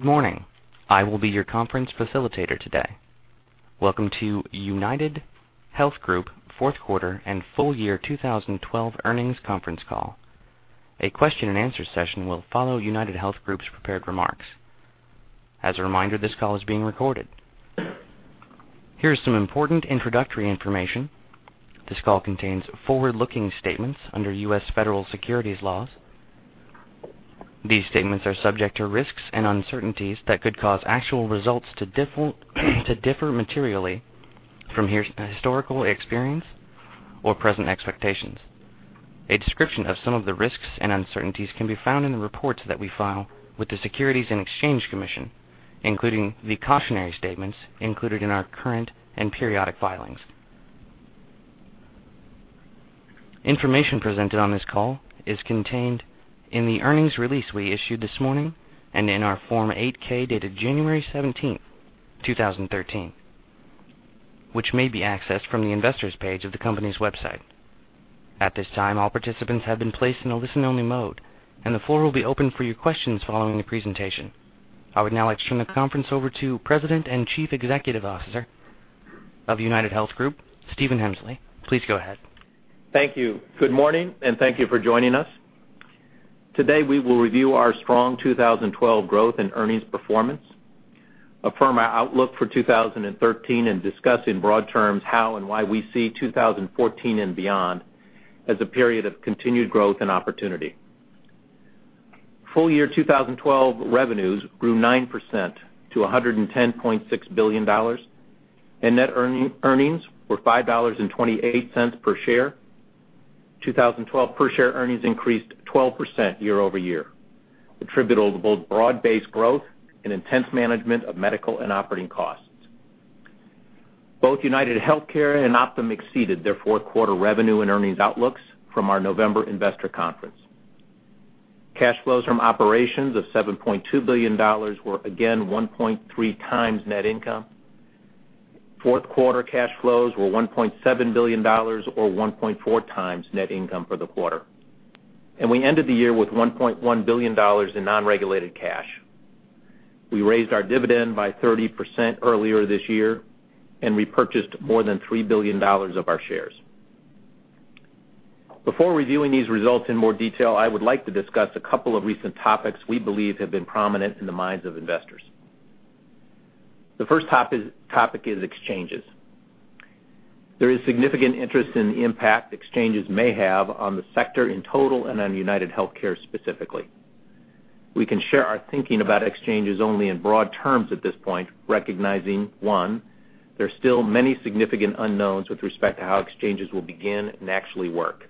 Morning. I will be your conference facilitator today. Welcome to UnitedHealth Group fourth quarter and full year 2012 earnings conference call. A question and answer session will follow UnitedHealth Group's prepared remarks. As a reminder, this call is being recorded. Here is some important introductory information. This call contains forward-looking statements under U.S. federal securities laws. These statements are subject to risks and uncertainties that could cause actual results to differ materially from historical experience or present expectations. A description of some of the risks and uncertainties can be found in the reports that we file with the Securities and Exchange Commission, including the cautionary statements included in our current and periodic filings. Information presented on this call is contained in the earnings release we issued this morning and in our Form 8-K, dated January 17th, 2013, which may be accessed from the investor's page of the company's website. At this time, all participants have been placed in a listen-only mode, and the floor will be open for your questions following the presentation. I would now like to turn the conference over to President and Chief Executive Officer of UnitedHealth Group, Stephen Hemsley. Please go ahead. Thank you. Good morning, and thank you for joining us. Today, we will review our strong 2012 growth and earnings performance, affirm our outlook for 2013, and discuss in broad terms how and why we see 2014 and beyond as a period of continued growth and opportunity. Full year 2012 revenues grew 9% to $110.6 billion, and net earnings were $5.28 per share. 2012 per share earnings increased 12% year-over-year, attributable to both broad-based growth and intense management of medical and operating costs. Both UnitedHealthcare and Optum exceeded their fourth-quarter revenue and earnings outlooks from our November investor conference. Cash flows from operations of $7.2 billion were again 1.3 times net income. Fourth-quarter cash flows were $1.7 billion, or 1.4 times net income for the quarter. And we ended the year with $1.1 billion in non-regulated cash. We raised our dividend by 30% earlier this year and repurchased more than $3 billion of our shares. Before reviewing these results in more detail, I would like to discuss a couple of recent topics we believe have been prominent in the minds of investors. The first topic is exchanges. There is significant interest in the impact exchanges may have on the sector in total and on UnitedHealthcare specifically. We can share our thinking about exchanges only in broad terms at this point, recognizing, one, there are still many significant unknowns with respect to how exchanges will begin and actually work.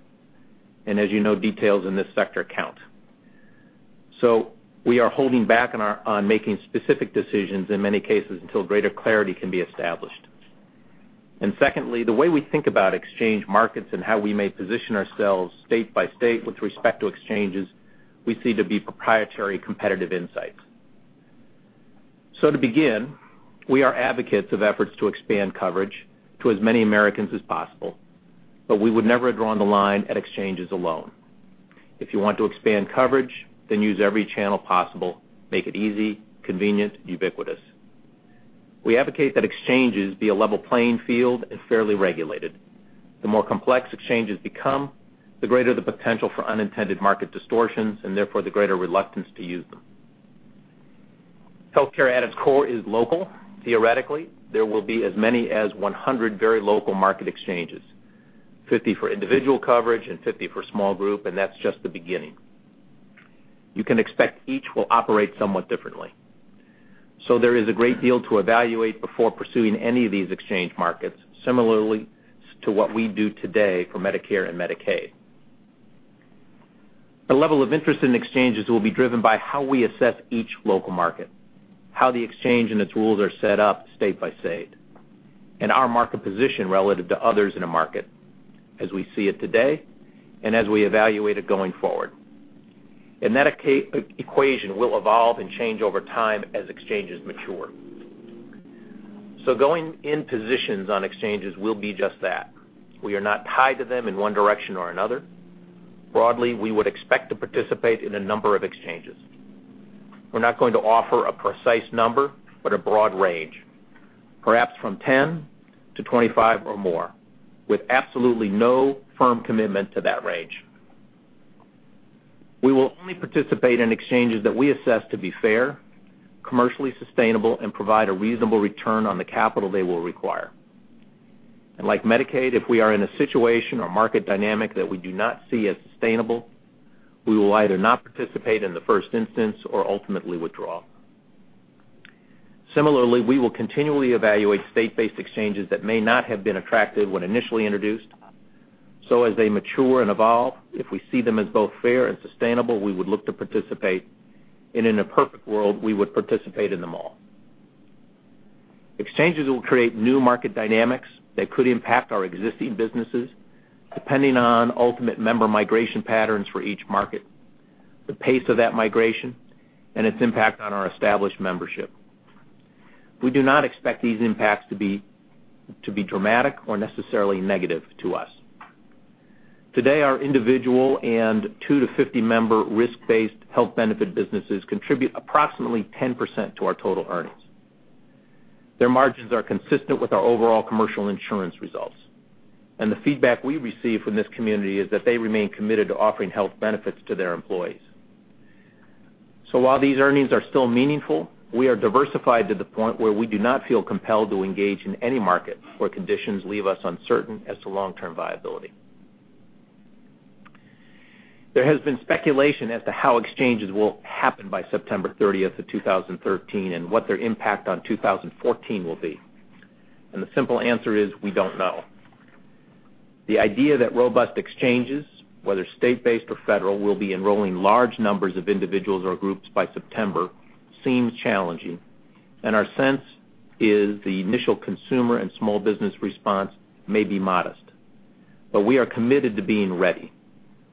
And as you know, details in this sector count. So we are holding back on making specific decisions in many cases until greater clarity can be established. Secondly, the way we think about exchange markets and how we may position ourselves state by state with respect to exchanges, we see to be proprietary competitive insights. To begin, we are advocates of efforts to expand coverage to as many Americans as possible, we would never have drawn the line at exchanges alone. If you want to expand coverage, use every channel possible, make it easy, convenient, ubiquitous. We advocate that exchanges be a level playing field and fairly regulated. The more complex exchanges become, the greater the potential for unintended market distortions, therefore the greater reluctance to use them. Healthcare at its core is local. Theoretically, there will be as many as 100 very local market exchanges, 50 for individual coverage and 50 for small group, and that's just the beginning. You can expect each will operate somewhat differently. There is a great deal to evaluate before pursuing any of these exchange markets, similarly to what we do today for Medicare and Medicaid. The level of interest in exchanges will be driven by how we assess each local market, how the exchange and its rules are set up state by state, and our market position relative to others in a market as we see it today and as we evaluate it going forward. That equation will evolve and change over time as exchanges mature. Going in positions on exchanges will be just that. We are not tied to them in one direction or another. Broadly, we would expect to participate in a number of exchanges. We're not going to offer a precise number, but a broad range, perhaps from 10 to 25 or more, with absolutely no firm commitment to that range. We will only participate in exchanges that we assess to be fair, commercially sustainable, and provide a reasonable return on the capital they will require. Like Medicaid, if we are in a situation or market dynamic that we do not see as sustainable, we will either not participate in the first instance or ultimately withdraw. Similarly, we will continually evaluate state-based exchanges that may not have been attractive when initially introduced. As they mature and evolve, if we see them as both fair and sustainable, we would look to participate. In a perfect world, we would participate in them all. Exchanges will create new market dynamics that could impact our existing businesses, depending on ultimate member migration patterns for each market, the pace of that migration, and its impact on our established membership. We do not expect these impacts to be dramatic or necessarily negative to us Today, our individual and 2 to 50 member risk-based health benefit businesses contribute approximately 10% to our total earnings. Their margins are consistent with our overall commercial insurance results. The feedback we receive from this community is that they remain committed to offering health benefits to their employees. While these earnings are still meaningful, we are diversified to the point where we do not feel compelled to engage in any market where conditions leave us uncertain as to long-term viability. There has been speculation as to how exchanges will happen by September 30th, 2013 and what their impact on 2014 will be. The simple answer is we don't know. The idea that robust exchanges, whether state-based or federal, will be enrolling large numbers of individuals or groups by September seems challenging, and our sense is the initial consumer and small business response may be modest. We are committed to being ready.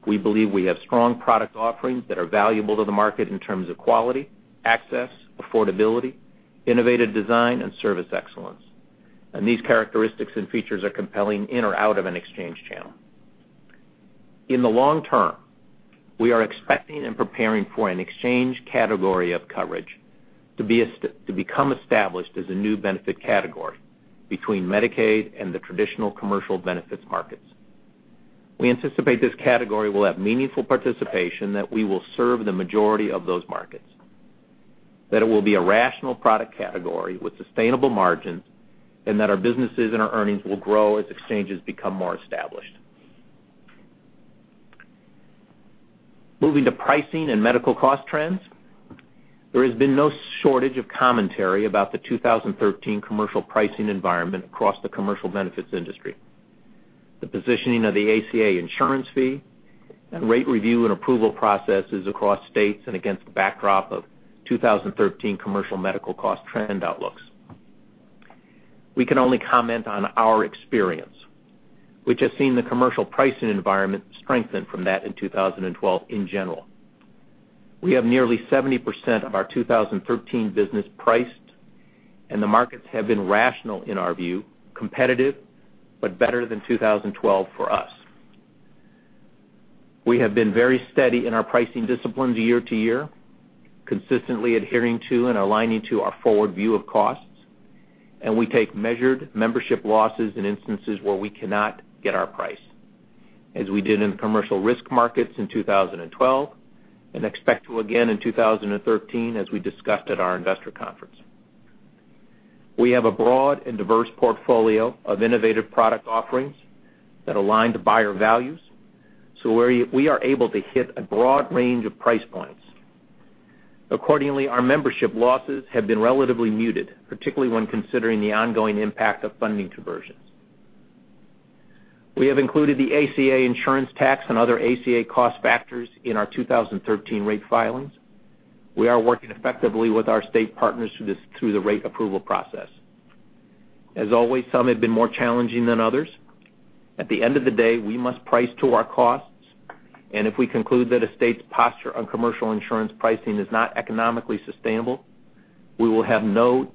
We believe we have strong product offerings that are valuable to the market in terms of quality, access, affordability, innovative design, and service excellence. These characteristics and features are compelling in or out of an exchange channel. In the long term, we are expecting and preparing for an exchange category of coverage to become established as a new benefit category between Medicaid and the traditional commercial benefits markets. We anticipate this category will have meaningful participation, that we will serve the majority of those markets, that it will be a rational product category with sustainable margins, our businesses and our earnings will grow as exchanges become more established. Moving to pricing and medical cost trends. There has been no shortage of commentary about the 2013 commercial pricing environment across the commercial benefits industry. The positioning of the ACA insurance fee and rate review and approval processes across states and against the backdrop of 2013 commercial medical cost trend outlooks. We can only comment on our experience, which has seen the commercial pricing environment strengthen from that in 2012 in general. We have nearly 70% of our 2013 business priced, the markets have been rational in our view, competitive, better than 2012 for us. We have been very steady in our pricing disciplines year to year, consistently adhering to and aligning to our forward view of costs, we take measured membership losses in instances where we cannot get our price, as we did in commercial risk markets in 2012 and expect to again in 2013, as we discussed at our investor conference. We have a broad and diverse portfolio of innovative product offerings that align to buyer values, we are able to hit a broad range of price points. Accordingly, our membership losses have been relatively muted, particularly when considering the ongoing impact of funding diversions. We have included the ACA insurance tax and other ACA cost factors in our 2013 rate filings. We are working effectively with our state partners through the rate approval process. As always, some have been more challenging than others. At the end of the day, we must price to our costs, if we conclude that a state's posture on commercial insurance pricing is not economically sustainable, we will have no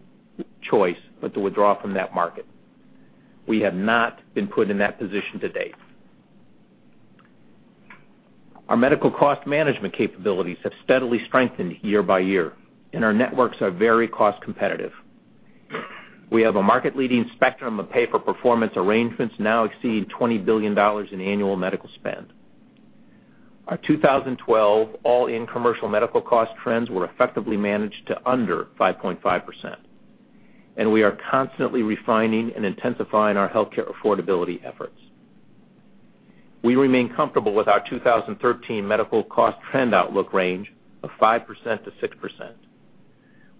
choice but to withdraw from that market. We have not been put in that position to date. Our medical cost management capabilities have steadily strengthened year by year, our networks are very cost competitive. We have a market-leading spectrum of pay-for-performance arrangements now exceeding $20 billion in annual medical spend. Our 2012 all-in commercial medical cost trends were effectively managed to under 5.5%, we are constantly refining and intensifying our healthcare affordability efforts. We remain comfortable with our 2013 medical cost trend outlook range of 5%-6%.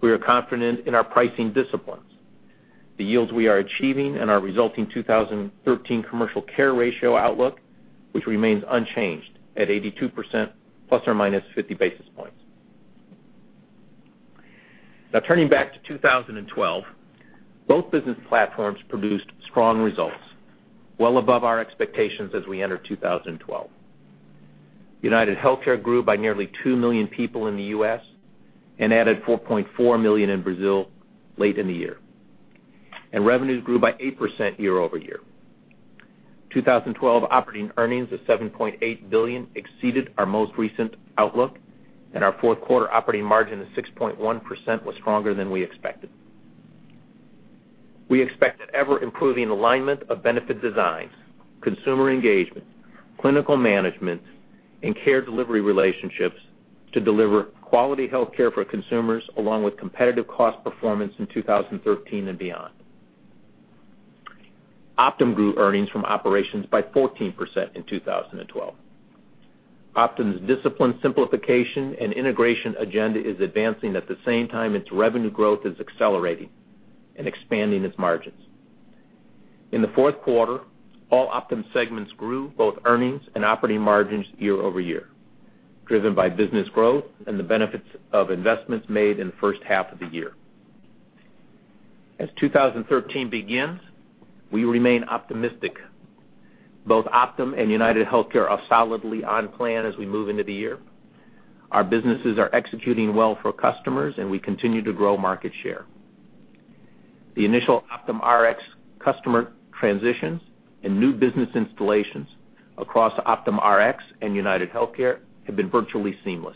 We are confident in our pricing disciplines, the yields we are achieving, and our resulting 2013 commercial care ratio outlook, which remains unchanged at 82% ±50 basis points. Turning back to 2012. Both business platforms produced strong results well above our expectations as we entered 2012. UnitedHealthcare grew by nearly 2 million people in the U.S. and added 4.4 million in Brazil late in the year. Revenues grew by 8% year-over-year. 2012 operating earnings of $7.8 billion exceeded our most recent outlook, and our fourth quarter operating margin of 6.1% was stronger than we expected. We expect an ever-improving alignment of benefit designs, consumer engagement, clinical management, and care delivery relationships to deliver quality healthcare for consumers along with competitive cost performance in 2013 and beyond. Optum grew earnings from operations by 14% in 2012. Optum's disciplined simplification and integration agenda is advancing at the same time its revenue growth is accelerating and expanding its margins. In the fourth quarter, all Optum segments grew both earnings and operating margins year-over-year, driven by business growth and the benefits of investments made in the first half of the year. 2013 begins, we remain optimistic. Both Optum and UnitedHealthcare are solidly on plan as we move into the year. Our businesses are executing well for customers, we continue to grow market share. The initial OptumRx customer transitions and new business installations across OptumRx and UnitedHealthcare have been virtually seamless,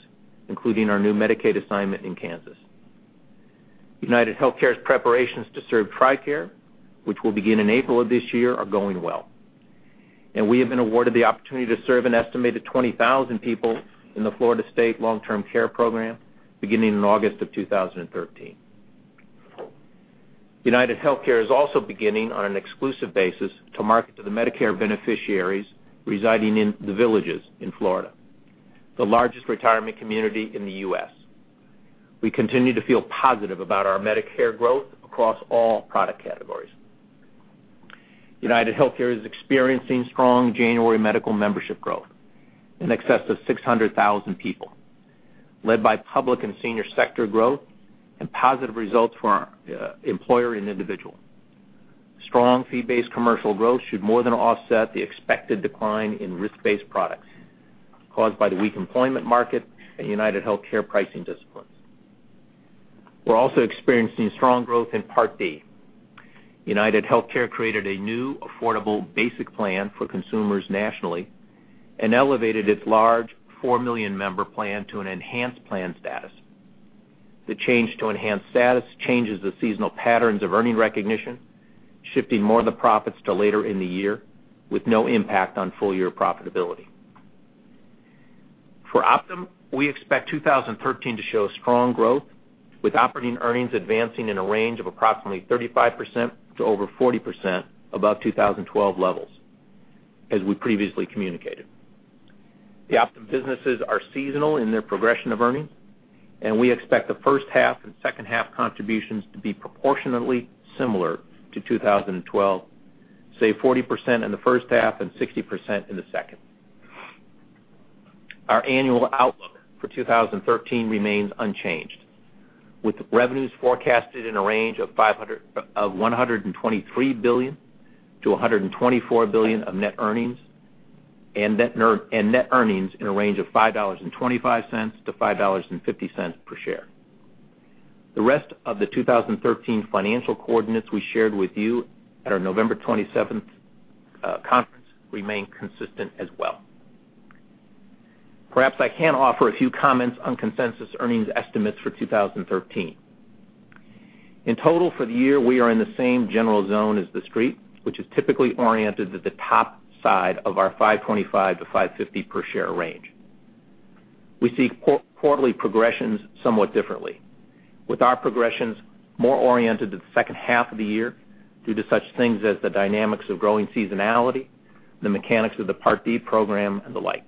including our new Medicaid assignment in Kansas. UnitedHealthcare's preparations to serve TRICARE, which will begin in April of this year, are going well. We have been awarded the opportunity to serve an estimated 20,000 people in the Florida State long-term care program beginning in August of 2013. UnitedHealthcare is also beginning on an exclusive basis to market to the Medicare beneficiaries residing in The Villages in Florida, the largest retirement community in the U.S. We continue to feel positive about our Medicare growth across all product categories. UnitedHealthcare is experiencing strong January medical membership growth in excess of 600,000 people, led by public and senior sector growth and positive results for our employer and individual. Strong fee-based commercial growth should more than offset the expected decline in risk-based products caused by the weak employment market and UnitedHealthcare pricing disciplines. We are also experiencing strong growth in Part D. UnitedHealthcare created a new affordable basic plan for consumers nationally and elevated its large 4 million member plan to an enhanced plan status. The change to enhanced status changes the seasonal patterns of earning recognition, shifting more of the profits to later in the year with no impact on full-year profitability. For Optum, we expect 2013 to show strong growth, with operating earnings advancing in a range of approximately 35% to over 40% above 2012 levels, as we previously communicated. The Optum businesses are seasonal in their progression of earnings, we expect the first half and second half contributions to be proportionately similar to 2012, say 40% in the first half and 60% in the second. Our annual outlook for 2013 remains unchanged, with revenues forecasted in a range of $123 billion-$124 billion of net earnings, and net earnings in a range of $5.25-$5.50 per share. The rest of the 2013 financial coordinates we shared with you at our November 27th conference remain consistent as well. Perhaps I can offer a few comments on consensus earnings estimates for 2013. In total for the year, we are in the same general zone as the Street, which is typically oriented at the top side of our $5.25-$5.50 per share range. We see quarterly progressions somewhat differently, with our progressions more oriented to the second half of the year due to such things as the dynamics of growing seasonality, the mechanics of the Part D program, and the like.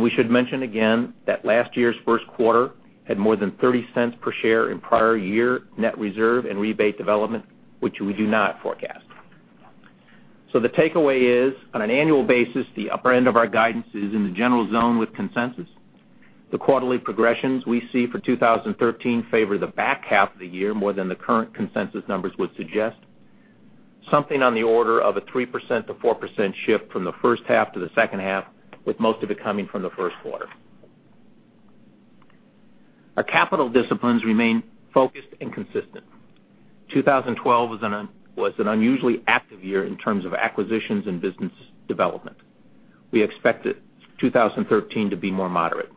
We should mention again that last year's first quarter had more than $0.30 per share in prior year net reserve and rebate development, which we do not forecast. The takeaway is, on an annual basis, the upper end of our guidance is in the general zone with consensus. The quarterly progressions we see for 2013 favor the back half of the year more than the current consensus numbers would suggest. Something on the order of a 3%-4% shift from the first half to the second half, with most of it coming from the first quarter. Our capital disciplines remain focused and consistent. 2012 was an unusually active year in terms of acquisitions and business development. We expect 2013 to be more moderate.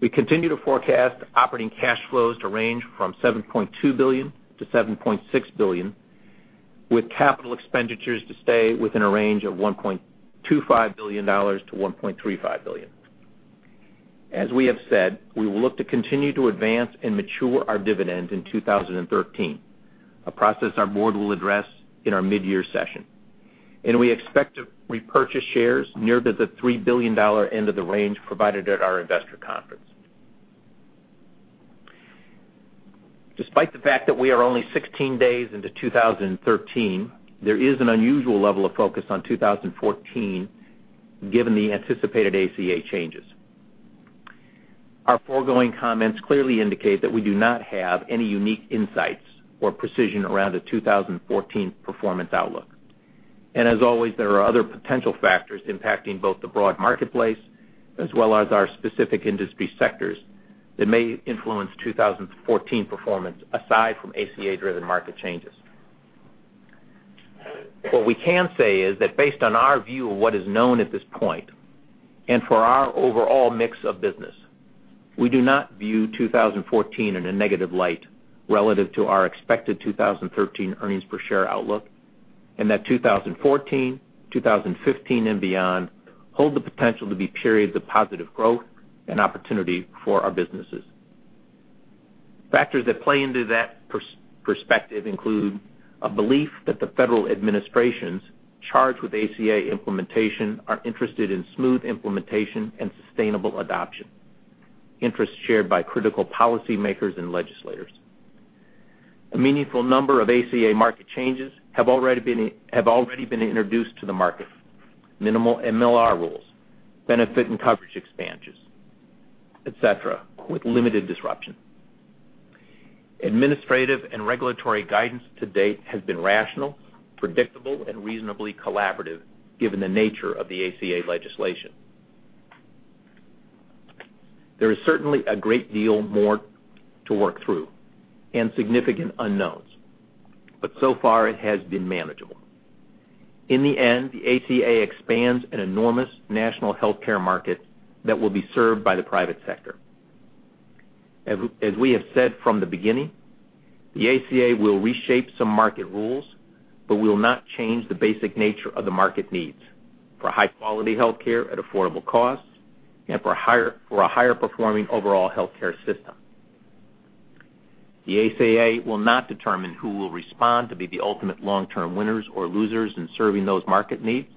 We continue to forecast operating cash flows to range from $7.2 billion-$7.6 billion, with capital expenditures to stay within a range of $1.25 billion-$1.35 billion. As we have said, we will look to continue to advance and mature our dividend in 2013, a process our board will address in our mid-year session. We expect to repurchase shares near the $3 billion end of the range provided at our investor conference. Despite the fact that we are only 16 days into 2013, there is an unusual level of focus on 2014 given the anticipated ACA changes. Our foregoing comments clearly indicate that we do not have any unique insights or precision around a 2014 performance outlook. As always, there are other potential factors impacting both the broad marketplace as well as our specific industry sectors that may influence 2014 performance aside from ACA-driven market changes. What we can say is that based on our view of what is known at this point and for our overall mix of business, we do not view 2014 in a negative light relative to our expected 2013 earnings per share outlook, and that 2014, 2015, and beyond hold the potential to be periods of positive growth and opportunity for our businesses. Factors that play into that perspective include a belief that the federal administrations charged with ACA implementation are interested in smooth implementation and sustainable adoption, interests shared by critical policymakers and legislators. A meaningful number of ACA market changes have already been introduced to the market. Minimal MLR rules, benefit and coverage expansions, et cetera, with limited disruption. Administrative and regulatory guidance to date has been rational, predictable, and reasonably collaborative given the nature of the ACA legislation. There is certainly a great deal more to work through and significant unknowns, but so far it has been manageable. In the end, the ACA expands an enormous national healthcare market that will be served by the private sector. As we have said from the beginning, the ACA will reshape some market rules, but will not change the basic nature of the market needs for high-quality healthcare at affordable costs and for a higher-performing overall healthcare system. The ACA will not determine who will respond to be the ultimate long-term winners or losers in serving those market needs.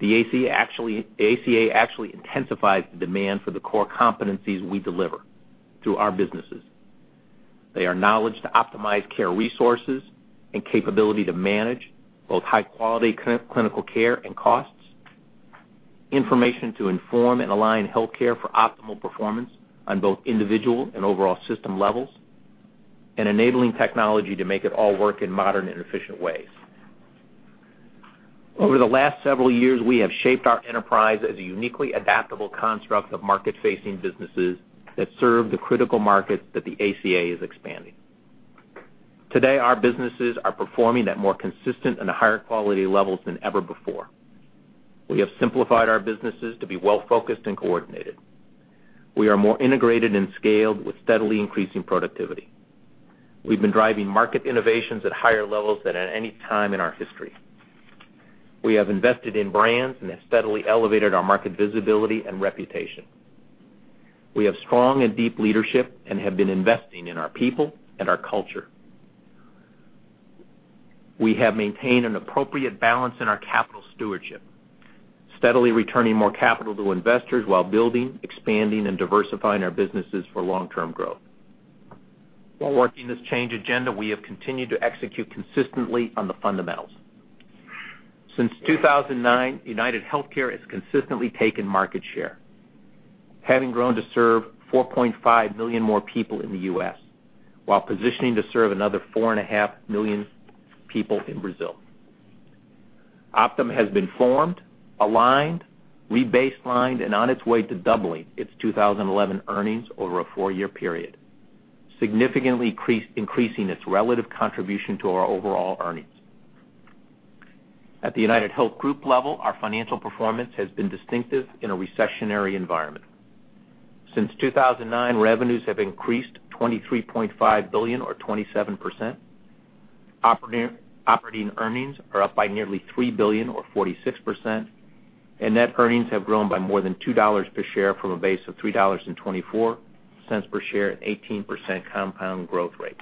The ACA actually intensifies the demand for the core competencies we deliver to our businesses. They are knowledge to optimize care resources and capability to manage both high-quality clinical care and costs, information to inform and align healthcare for optimal performance on both individual and overall system levels, and enabling technology to make it all work in modern and efficient ways. Over the last several years, we have shaped our enterprise as a uniquely adaptable construct of market-facing businesses that serve the critical markets that the ACA is expanding. Today, our businesses are performing at more consistent and higher quality levels than ever before. We have simplified our businesses to be well-focused and coordinated. We are more integrated and scaled with steadily increasing productivity. We've been driving market innovations at higher levels than at any time in our history. We have invested in brands and have steadily elevated our market visibility and reputation. We have strong and deep leadership and have been investing in our people and our culture. We have maintained an appropriate balance in our capital stewardship, steadily returning more capital to investors while building, expanding, and diversifying our businesses for long-term growth. While working this change agenda, we have continued to execute consistently on the fundamentals. Since 2009, UnitedHealthcare has consistently taken market share, having grown to serve 4.5 million more people in the U.S. while positioning to serve another 4.5 million people in Brazil. Optum has been formed, aligned, re-baselined, and on its way to doubling its 2011 earnings over a four-year period, significantly increasing its relative contribution to our overall earnings. At the UnitedHealth Group level, our financial performance has been distinctive in a recessionary environment. Since 2009, revenues have increased $23.5 billion or 27%. Operating earnings are up by nearly $3 billion or 46%. Net earnings have grown by more than $2 per share from a base of $3.24 per share at 18% compound growth rate.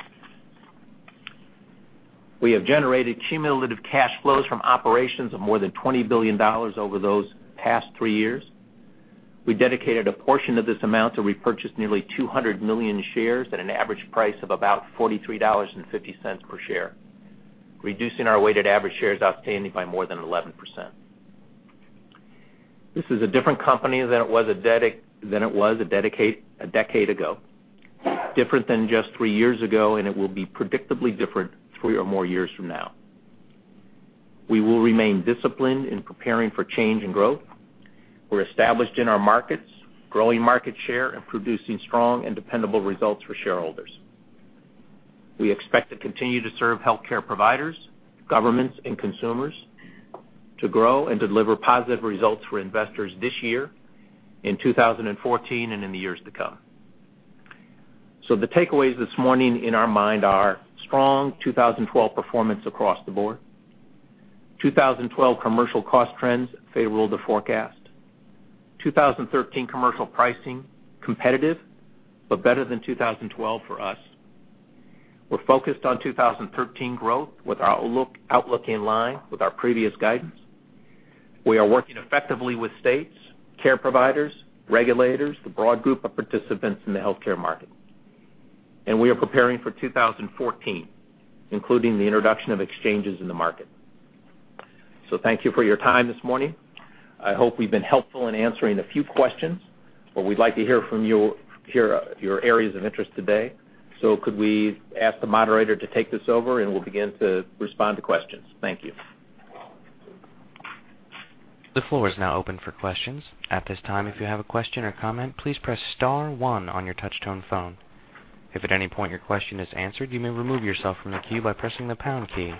We have generated cumulative cash flows from operations of more than $20 billion over those past three years. We dedicated a portion of this amount to repurchase nearly 200 million shares at an average price of about $43.50 per share, reducing our weighted average shares outstanding by more than 11%. This is a different company than it was a decade ago, different than just three years ago, and it will be predictably different three or more years from now. We will remain disciplined in preparing for change and growth. We're established in our markets, growing market share, and producing strong and dependable results for shareholders. We expect to continue to serve healthcare providers, governments, and consumers to grow and deliver positive results for investors this year, in 2014, and in the years to come. The takeaways this morning in our mind are strong 2012 performance across the board. 2012 commercial cost trends favor the forecast. 2013 commercial pricing competitive, but better than 2012 for us. We're focused on 2013 growth with our outlook in line with our previous guidance. We are working effectively with states, care providers, regulators, the broad group of participants in the healthcare market. We are preparing for 2014, including the introduction of exchanges in the market. Thank you for your time this morning. I hope we've been helpful in answering a few questions, but we'd like to hear your areas of interest today. Could we ask the moderator to take this over, and we'll begin to respond to questions. Thank you. The floor is now open for questions. At this time, if you have a question or comment, please press *1 on your touch-tone phone. If at any point your question is answered, you may remove yourself from the queue by pressing the # key.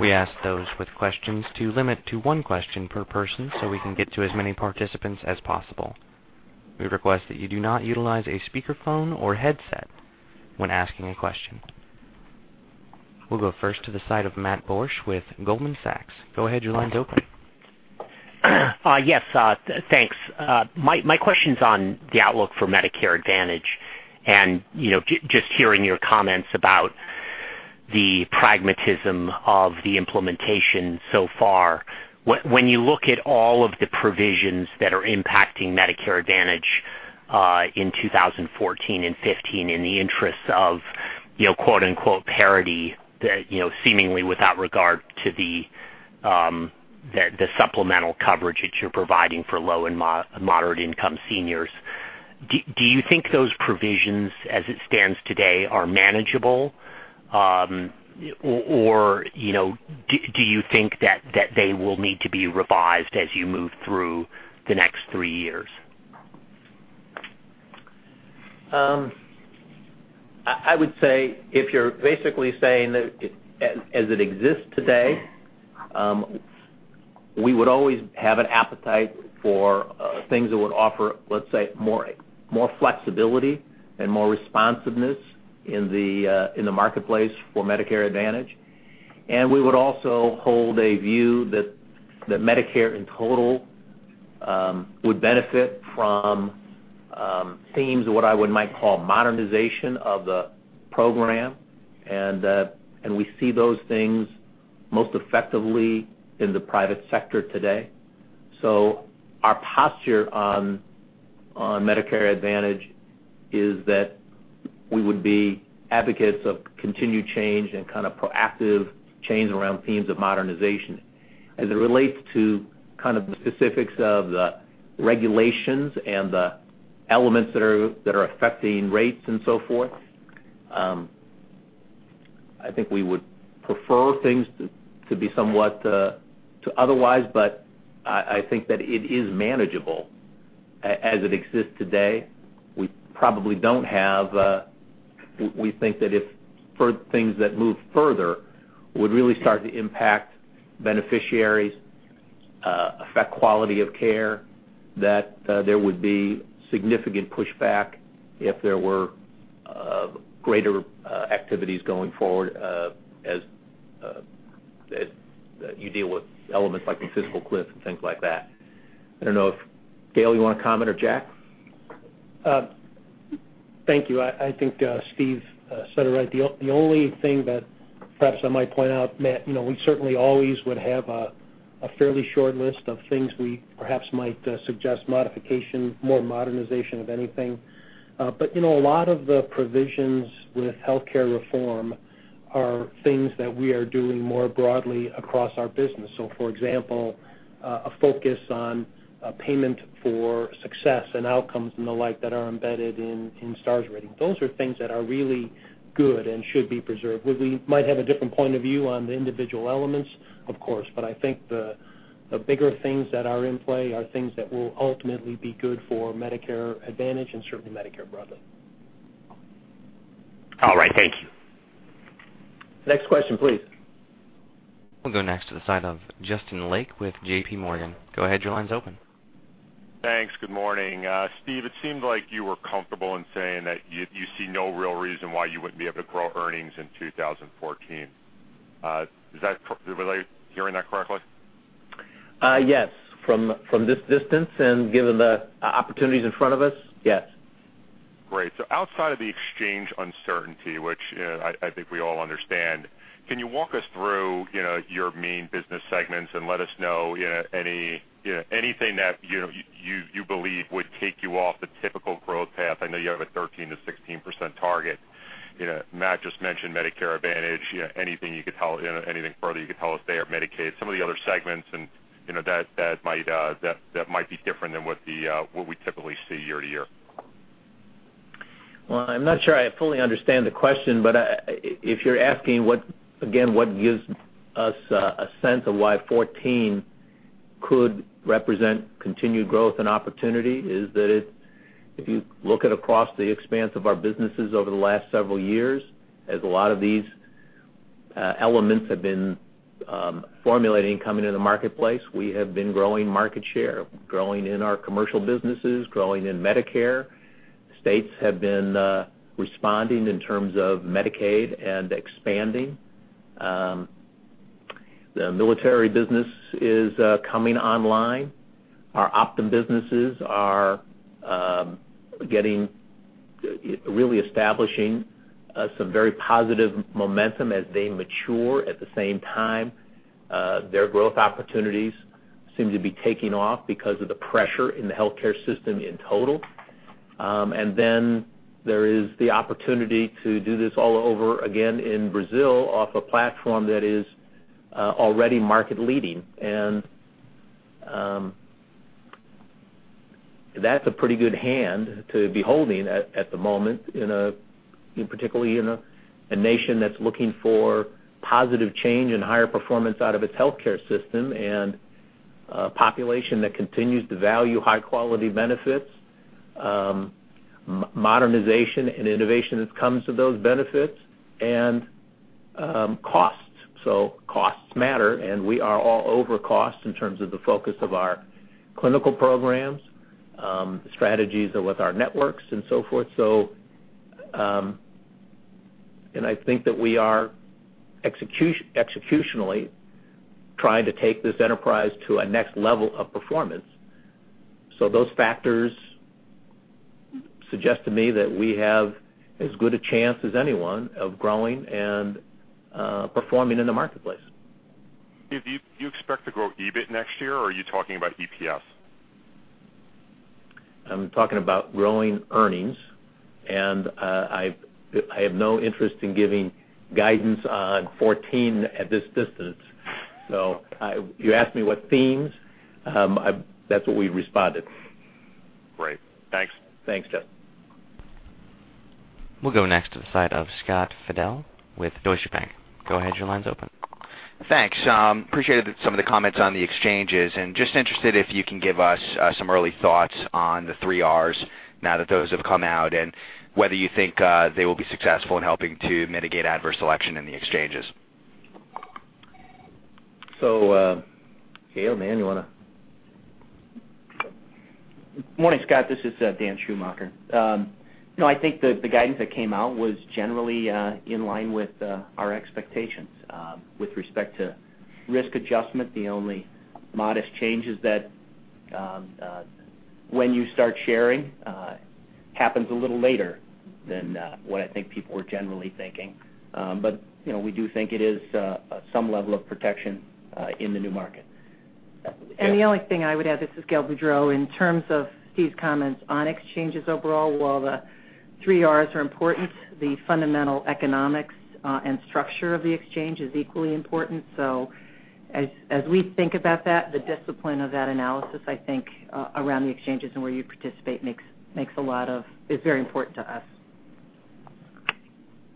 We ask those with questions to limit to one question per person so we can get to as many participants as possible. We request that you do not utilize a speakerphone or headset when asking a question. We'll go first to the side of Matthew Borsch with Goldman Sachs. Go ahead, your line's open. Yes, thanks. My question's on the outlook for Medicare Advantage and just hearing your comments about the pragmatism of the implementation so far. When you look at all of the provisions that are impacting Medicare Advantage in 2014 and 2015 in the interests of, quote unquote, "parity" seemingly without regard to the supplemental coverage that you're providing for low and moderate income seniors, do you think those provisions, as it stands today, are manageable? Or do you think that they will need to be revised as you move through the next three years? I would say, if you're basically saying that as it exists today, we would always have an appetite for things that would offer, let's say, more flexibility and more responsiveness in the marketplace for Medicare Advantage. We would also hold a view that Medicare in total would benefit from themes of what I might call modernization of the program, and we see those things most effectively in the private sector today. Our posture on Medicare Advantage is that we would be advocates of continued change and proactive change around themes of modernization. As it relates to the specifics of the regulations and the elements that are affecting rates and so forth, I think we would prefer things to be somewhat to otherwise, but I think that it is manageable as it exists today. We think that if things that move further would really start to impact beneficiaries, affect quality of care, that there would be significant pushback if there were greater activities going forward, as you deal with elements like the fiscal cliff and things like that. I don't know if, Dan, you want to comment, or Jack? Thank you. I think Steve said it right. The only thing that perhaps I might point out, Matt, we certainly always would have a fairly short list of things we perhaps might suggest modification, more modernization of anything. A lot of the provisions with healthcare reform are things that we are doing more broadly across our business. For example, a focus on payment for success and outcomes and the like that are embedded in Star Rating. Those are things that are really good and should be preserved. We might have a different point of view on the individual elements, of course, but I think the bigger things that are in play are things that will ultimately be good for Medicare Advantage and certainly Medicare broadly. All right. Thank you. Next question, please. We'll go next to the side of Justin Lake with J.P. Morgan. Go ahead, your line's open. Thanks. Good morning. Steve, it seemed like you were comfortable in saying that you see no real reason why you wouldn't be able to grow earnings in 2014. Am I hearing that correctly? Yes. From this distance and given the opportunities in front of us, yes. Great. Outside of the exchange uncertainty, which I think we all understand, can you walk us through your main business segments and let us know anything that you believe would take you off the typical growth path? I know you have a 13%-16% target. Matt just mentioned Medicare Advantage. Anything further you could tell us there? Medicaid, some of the other segments that might be different than what we typically see year-to-year. I'm not sure I fully understand the question, if you're asking what gives us a sense of why 2014 could represent continued growth and opportunity is that if you look at across the expanse of our businesses over the last several years, as a lot of these elements have been formulating coming in the marketplace, we have been growing market share, growing in our commercial businesses, growing in Medicare. States have been responding in terms of Medicaid and expanding. The military business is coming online. Our Optum businesses are really establishing some very positive momentum as they mature. At the same time, their growth opportunities seem to be taking off because of the pressure in the healthcare system in total. There is the opportunity to do this all over again in Brazil off a platform that is already market leading, that's a pretty good hand to be holding at the moment, particularly in a nation that's looking for positive change and higher performance out of its healthcare system and a population that continues to value high quality benefits, modernization and innovation that comes with those benefits, and costs. Costs matter, we are all over costs in terms of the focus of our clinical programs, strategies with our networks and so forth. I think that we are executionally trying to take this enterprise to a next level of performance. Those factors suggest to me that we have as good a chance as anyone of growing and performing in the marketplace. Do you expect to grow EBIT next year, or are you talking about EPS? I'm talking about growing earnings. I have no interest in giving guidance on 2014 at this distance. You asked me what themes, that's what we responded. Great. Thanks. Thanks, Jeff. We'll go next to the side of Scott Fidel with Deutsche Bank. Go ahead, your line's open. Thanks. Appreciated some of the comments on the exchanges. Just interested if you can give us some early thoughts on the three Rs now that those have come out. Whether you think they will be successful in helping to mitigate adverse selection in the exchanges. Gail, Dan, you want to? Morning, Scott. This is Dan Schumacher. I think the guidance that came out was generally in line with our expectations. With respect to risk adjustment, the only modest change is that when you start sharing, happens a little later than what I think people were generally thinking. We do think it is some level of protection in the new market. Yeah. The only thing I would add, this is Gail Boudreaux. In terms of these comments on exchanges overall, while the three Rs are important, the fundamental economics and structure of the exchange is equally important. As we think about that, the discipline of that analysis, I think, around the exchanges and where you participate is very important to us.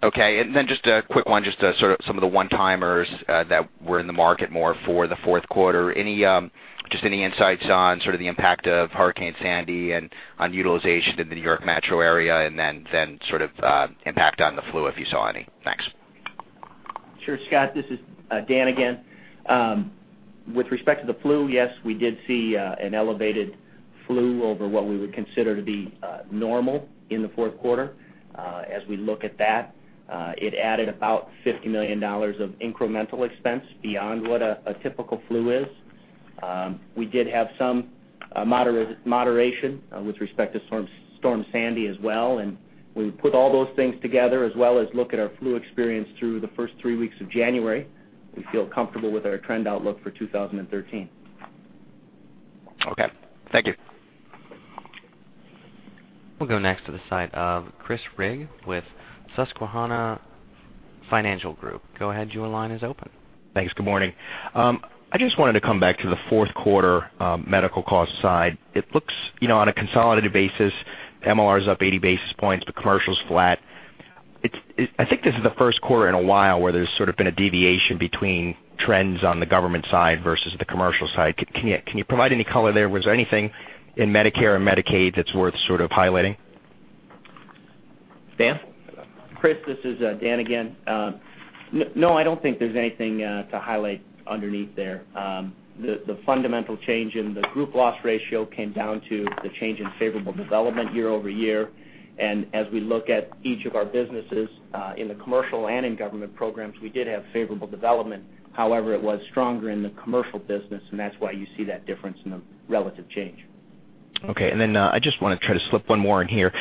Okay. Then just a quick one, just sort of some of the one-timers that were in the market more for the fourth quarter. Just any insights on sort of the impact of Hurricane Sandy and on utilization in the New York metro area, and then sort of impact on the flu, if you saw any? Thanks. Sure, Scott. This is Dan again. With respect to the flu, yes, we did see an elevated flu over what we would consider to be normal in the fourth quarter. As we look at that, it added about $50 million of incremental expense beyond what a typical flu is. We did have some moderation with respect to Storm Sandy as well. When we put all those things together, as well as look at our flu experience through the first three weeks of January, we feel comfortable with our trend outlook for 2013. Okay. Thank you. We'll go next to the side of Chris Rigg with Susquehanna Financial Group. Go ahead, your line is open. Thanks. Good morning. I just wanted to come back to the fourth quarter medical cost side. It looks on a consolidated basis, MLR is up 80 basis points, but commercial's flat. I think this is the first quarter in a while where there's sort of been a deviation between trends on the government side versus the commercial side. Can you provide any color there? Was there anything in Medicare or Medicaid that's worth sort of highlighting? Dan? Chris, this is Dan again. No, I don't think there's anything to highlight underneath there. The fundamental change in the group loss ratio came down to the change in favorable development year-over-year. As we look at each of our businesses in the commercial and in government programs, we did have favorable development. However, it was stronger in the commercial business, and that's why you see that difference in the relative change. Okay. I just want to try to slip one more in here.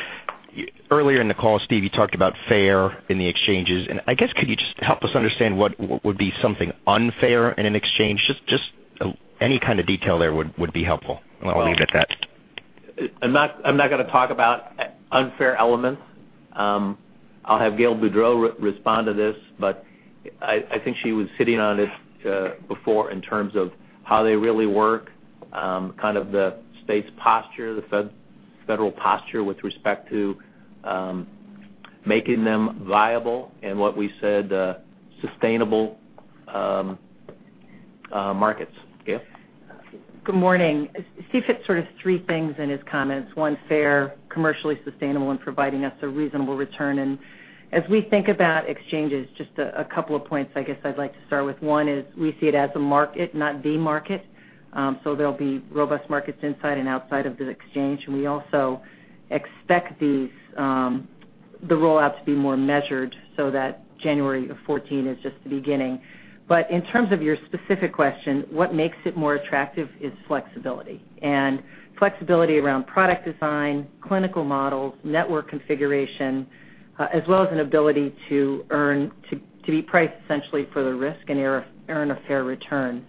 Earlier in the call, Stephen, you talked about fair in the exchanges. I guess, could you just help us understand what would be something unfair in an exchange? Just any kind of detail there would be helpful. I'll leave it at that. Well, I'm not going to talk about unfair elements. I'll have Gail Boudreaux respond to this, but I think she was hitting on it before in terms of how they really work, kind of the state's posture, the federal posture with respect to making them viable, and what we said, sustainable markets. Gail? Good morning. Steve hit sort of three things in his comments, one fair, commercially sustainable, and providing us a reasonable return. As we think about exchanges, just a couple of points I guess I'd like to start with. One is we see it as a market, not the market. There'll be robust markets inside and outside of the exchange, and we also expect the rollout to be more measured so that January of 2014 is just the beginning. In terms of your specific question, what makes it more attractive is flexibility. Flexibility around product design, clinical models, network configuration, as well as an ability to be priced essentially for the risk and earn a fair return.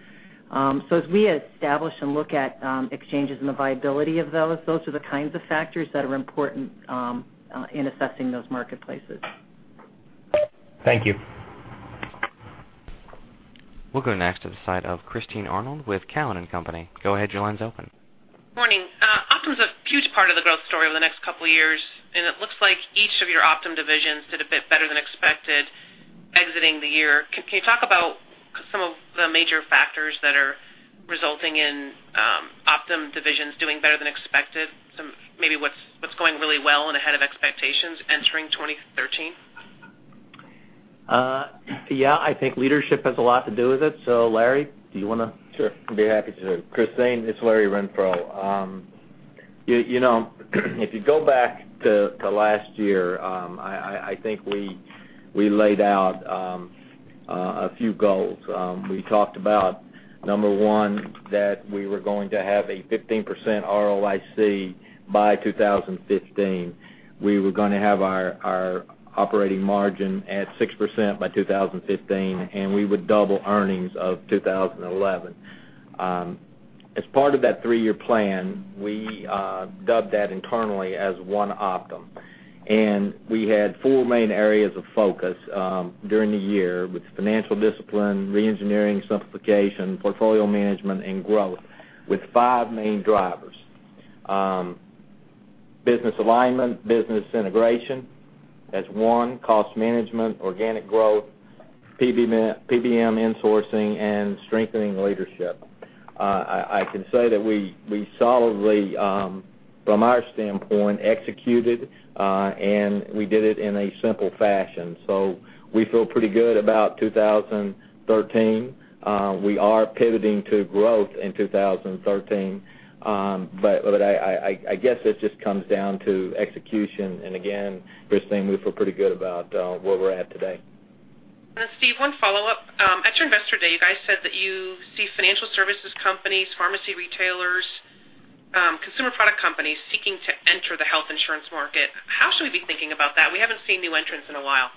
As we establish and look at exchanges and the viability of those are the kinds of factors that are important in assessing those marketplaces. Thank you. We'll go next to the side of Christine Arnold with Cowen and Company. Go ahead, your line's open. Morning. Optum's a huge part of the growth story over the next couple of years, and it looks like each of your Optum divisions did a bit better than expected exiting the year. Can you talk about some of the major factors that are resulting in Optum divisions doing better than expected? Maybe what's going really well and ahead of expectations entering 2013? I think leadership has a lot to do with it. Larry, do you want to? Sure. I'd be happy to. Christine, it's Larry Renfro. If you go back to last year, I think we laid out a few goals. We talked about, number 1, that we were going to have a 15% ROIC by 2015. We were going to have our operating margin at 6% by 2015, and we would double earnings of 2011. As part of that three-year plan, we dubbed that internally as One Optum. We had four main areas of focus during the year with financial discipline, re-engineering, simplification, portfolio management, and growth with five main drivers. Business alignment, business integration as one, cost management, organic growth, PBM insourcing, and strengthening leadership. I can say that we solidly, from our standpoint, executed, and we did it in a simple fashion. We feel pretty good about 2013. We are pivoting to growth in 2013. I guess it just comes down to execution, and again, Christine, we feel pretty good about where we're at today. Steve, one follow-up. At your Investor Day, you guys said that you see financial services companies, pharmacy retailers, consumer product companies seeking to enter the health insurance market. How should we be thinking about that? We haven't seen new entrants in a while.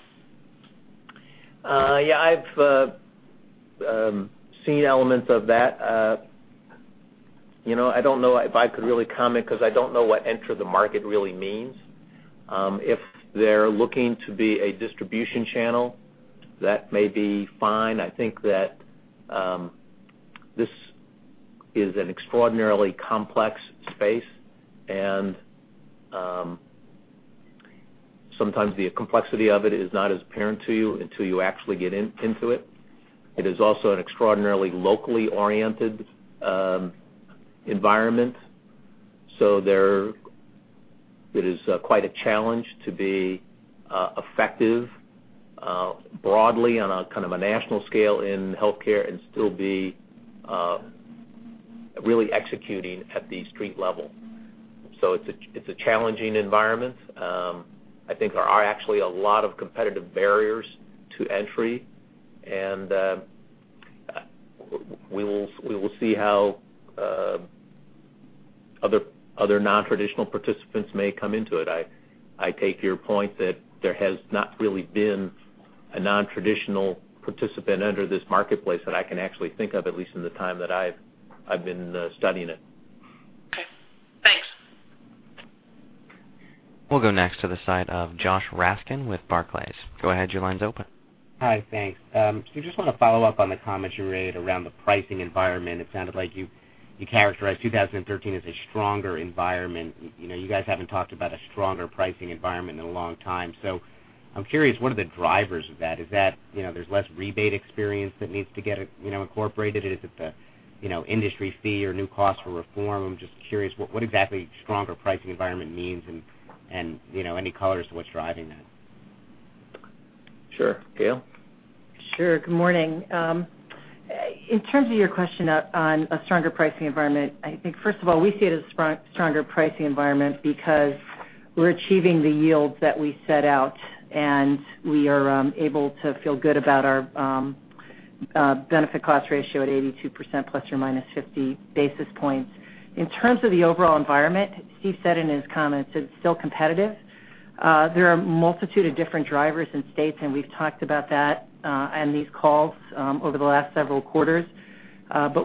Yeah, I've seen elements of that. I don't know if I could really comment, because I don't know what enter the market really means. If they're looking to be a distribution channel, that may be fine. I think that this is an extraordinarily complex space, and sometimes the complexity of it is not as apparent to you until you actually get into it. It is also an extraordinarily locally oriented environment. It is quite a challenge to be effective broadly on a national scale in healthcare and still be really executing at the street level. It's a challenging environment. I think there are actually a lot of competitive barriers to entry, and we will see how other non-traditional participants may come into it. I take your point that there has not really been a non-traditional participant under this marketplace that I can actually think of, at least in the time that I've been studying it. Okay. Thanks. We'll go next to the side of Joshua Raskin with Barclays. Go ahead, your line's open. Hi, thanks. I just want to follow up on the comments you made around the pricing environment. It sounded like you characterized 2013 as a stronger environment. You guys haven't talked about a stronger pricing environment in a long time. I'm curious, what are the drivers of that? Is that there's less rebate experience that needs to get incorporated? Is it the industry fee or new cost for reform? I'm just curious what exactly stronger pricing environment means and any color as to what's driving that. Sure. Gail? Sure. Good morning. In terms of your question on a stronger pricing environment, I think first of all, we see it as a stronger pricing environment because we're achieving the yields that we set out, and we are able to feel good about our benefit cost ratio at 82% plus or minus 50 basis points. In terms of the overall environment, Steve said in his comments it's still competitive. There are a multitude of different drivers and states, and we've talked about that on these calls over the last several quarters.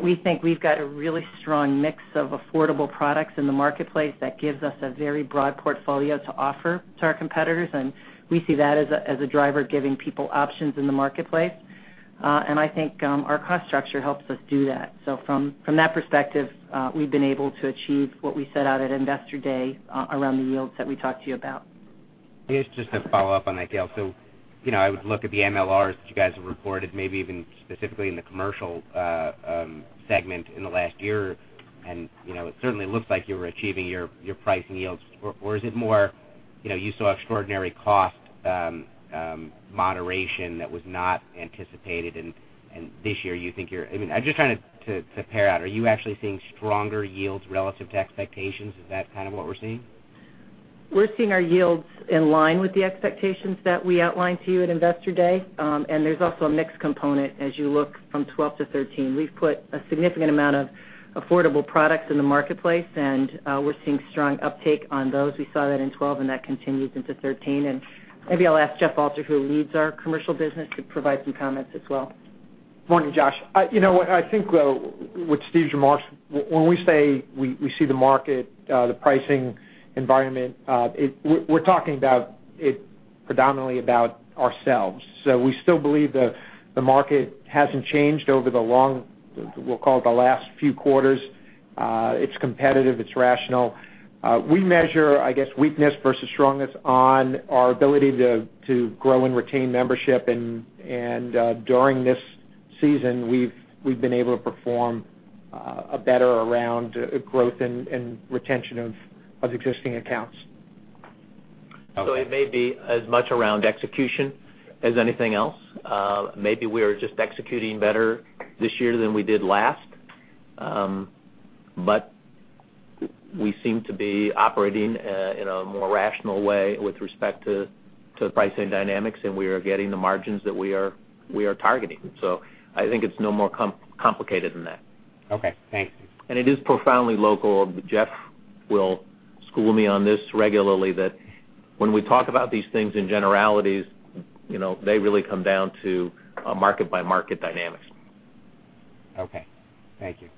We think we've got a really strong mix of affordable products in the marketplace that gives us a very broad portfolio to offer to our competitors, and we see that as a driver giving people options in the marketplace. I think our cost structure helps us do that. From that perspective, we've been able to achieve what we set out at Investor Day around the yields that we talked to you about. Yes, just to follow up on that, Gail. I would look at the MLRs that you guys have reported, maybe even specifically in the commercial segment in the last year, and it certainly looks like you were achieving your pricing yields. Or is it more you saw extraordinary cost moderation that was not anticipated, and this year you think you're. I'm just trying to pair out. Are you actually seeing stronger yields relative to expectations? Is that kind of what we're seeing? We're seeing our yields in line with the expectations that we outlined to you at Investor Day. There's also a mix component as you look from 2012 to 2013. We've put a significant amount of affordable products in the marketplace, and we're seeing strong uptake on those. We saw that in 2012, and that continues into 2013. Maybe I'll ask Jeff Walter, who leads our Commercial Business, to provide some comments as well. Morning, Josh. I think with Steve's remarks, when we say we see the market, the pricing environment, we're talking predominantly about ourselves. We still believe the market hasn't changed over the long, we'll call it the last few quarters. It's competitive, it's rational. We measure, I guess, weakness versus strongness on our ability to grow and retain membership, and during this season, we've been able to perform better around growth and retention of existing accounts. Okay. It may be as much around execution as anything else. Maybe we are just executing better this year than we did last. We seem to be operating in a more rational way with respect to pricing dynamics, and we are getting the margins that we are targeting. I think it's no more complicated than that. Okay. Thanks. It is profoundly local. Jeff will school me on this regularly that when we talk about these things in generalities, they really come down to market-by-market dynamics. Okay. Thank you.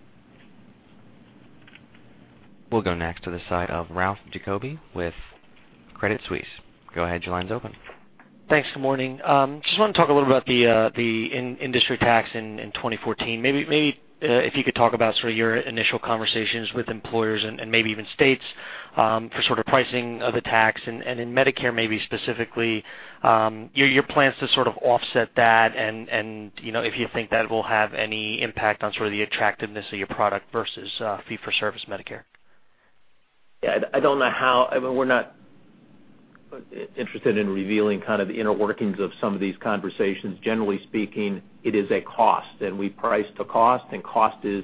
We'll go next to the side of Ralph Jacoby with Credit Suisse. Go ahead, your line's open. Thanks. Good morning. Just want to talk a little about the industry tax in 2014. Maybe if you could talk about sort of your initial conversations with employers and maybe even states for sort of pricing of the tax and in Medicare, maybe specifically, your plans to sort of offset that and if you think that will have any impact on sort of the attractiveness of your product versus fee for service Medicare. Yeah. I mean, we're not interested in revealing kind of the inner workings of some of these conversations. Generally speaking, it is a cost, and we price to cost, and cost is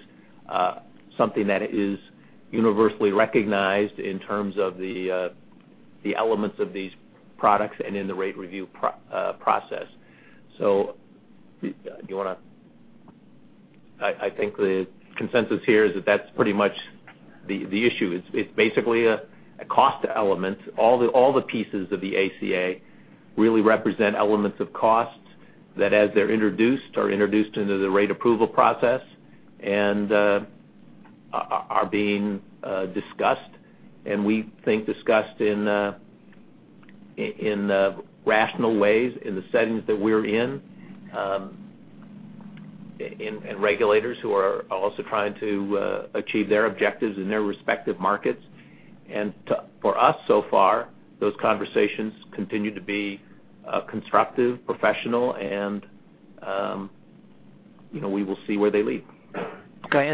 something that is universally recognized in terms of the elements of these products and in the rate review process. I think the consensus here is that's pretty much the issue. It's basically a cost element. All the pieces of the ACA really represent elements of costs that as they're introduced, are introduced into the rate approval process and are being discussed, and we think discussed in rational ways in the settings that we're in, and regulators who are also trying to achieve their objectives in their respective markets. For us so far, those conversations continue to be constructive, professional, and we will see where they lead. Okay.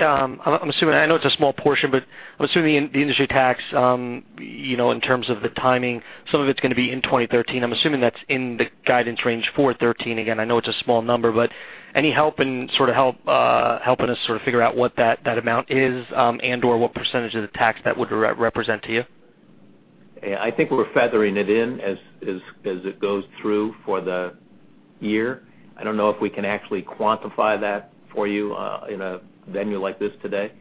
I know it's a small portion, but I'm assuming the industry tax, in terms of the timing, some of it's going to be in 2013. I'm assuming that's in the guidance range for 2013. Again, I know it's a small number, but any help in sort of helping us sort of figure out what that amount is, and/or what % of the tax that would represent to you? Yeah. I think we're feathering it in as it goes through for the year. I don't know if we can actually quantify that for you in a venue like this today.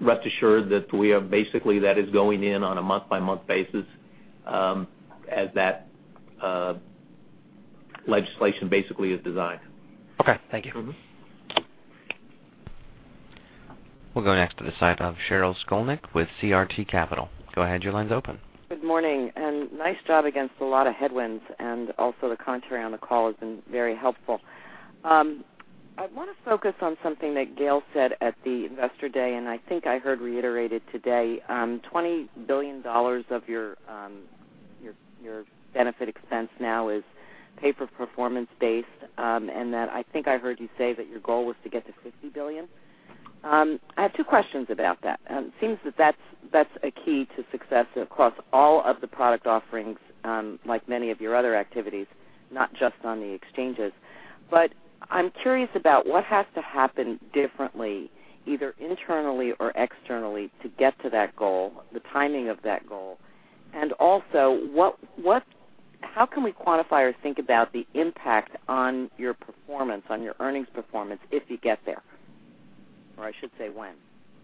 Rest assured that we are basically, that is going in on a month-by-month basis, as that legislation basically is designed. Okay. Thank you. We'll go next to the side of Sheryl Skolnick with CRT Capital. Go ahead, your line's open. Good morning, nice job against a lot of headwinds, and also the commentary on the call has been very helpful. I want to focus on something that Gail said at the investor day, and I think I heard reiterated today, $20 billion of your benefit expense now is pay-for-performance based, and that I think I heard you say that your goal was to get to $50 billion. I have two questions about that. It seems that that's a key to success across all of the product offerings, like many of your other activities, not just on the exchanges. I'm curious about what has to happen differently, either internally or externally, to get to that goal, the timing of that goal. Also, how can we quantify or think about the impact on your earnings performance if you get there? Or I should say when.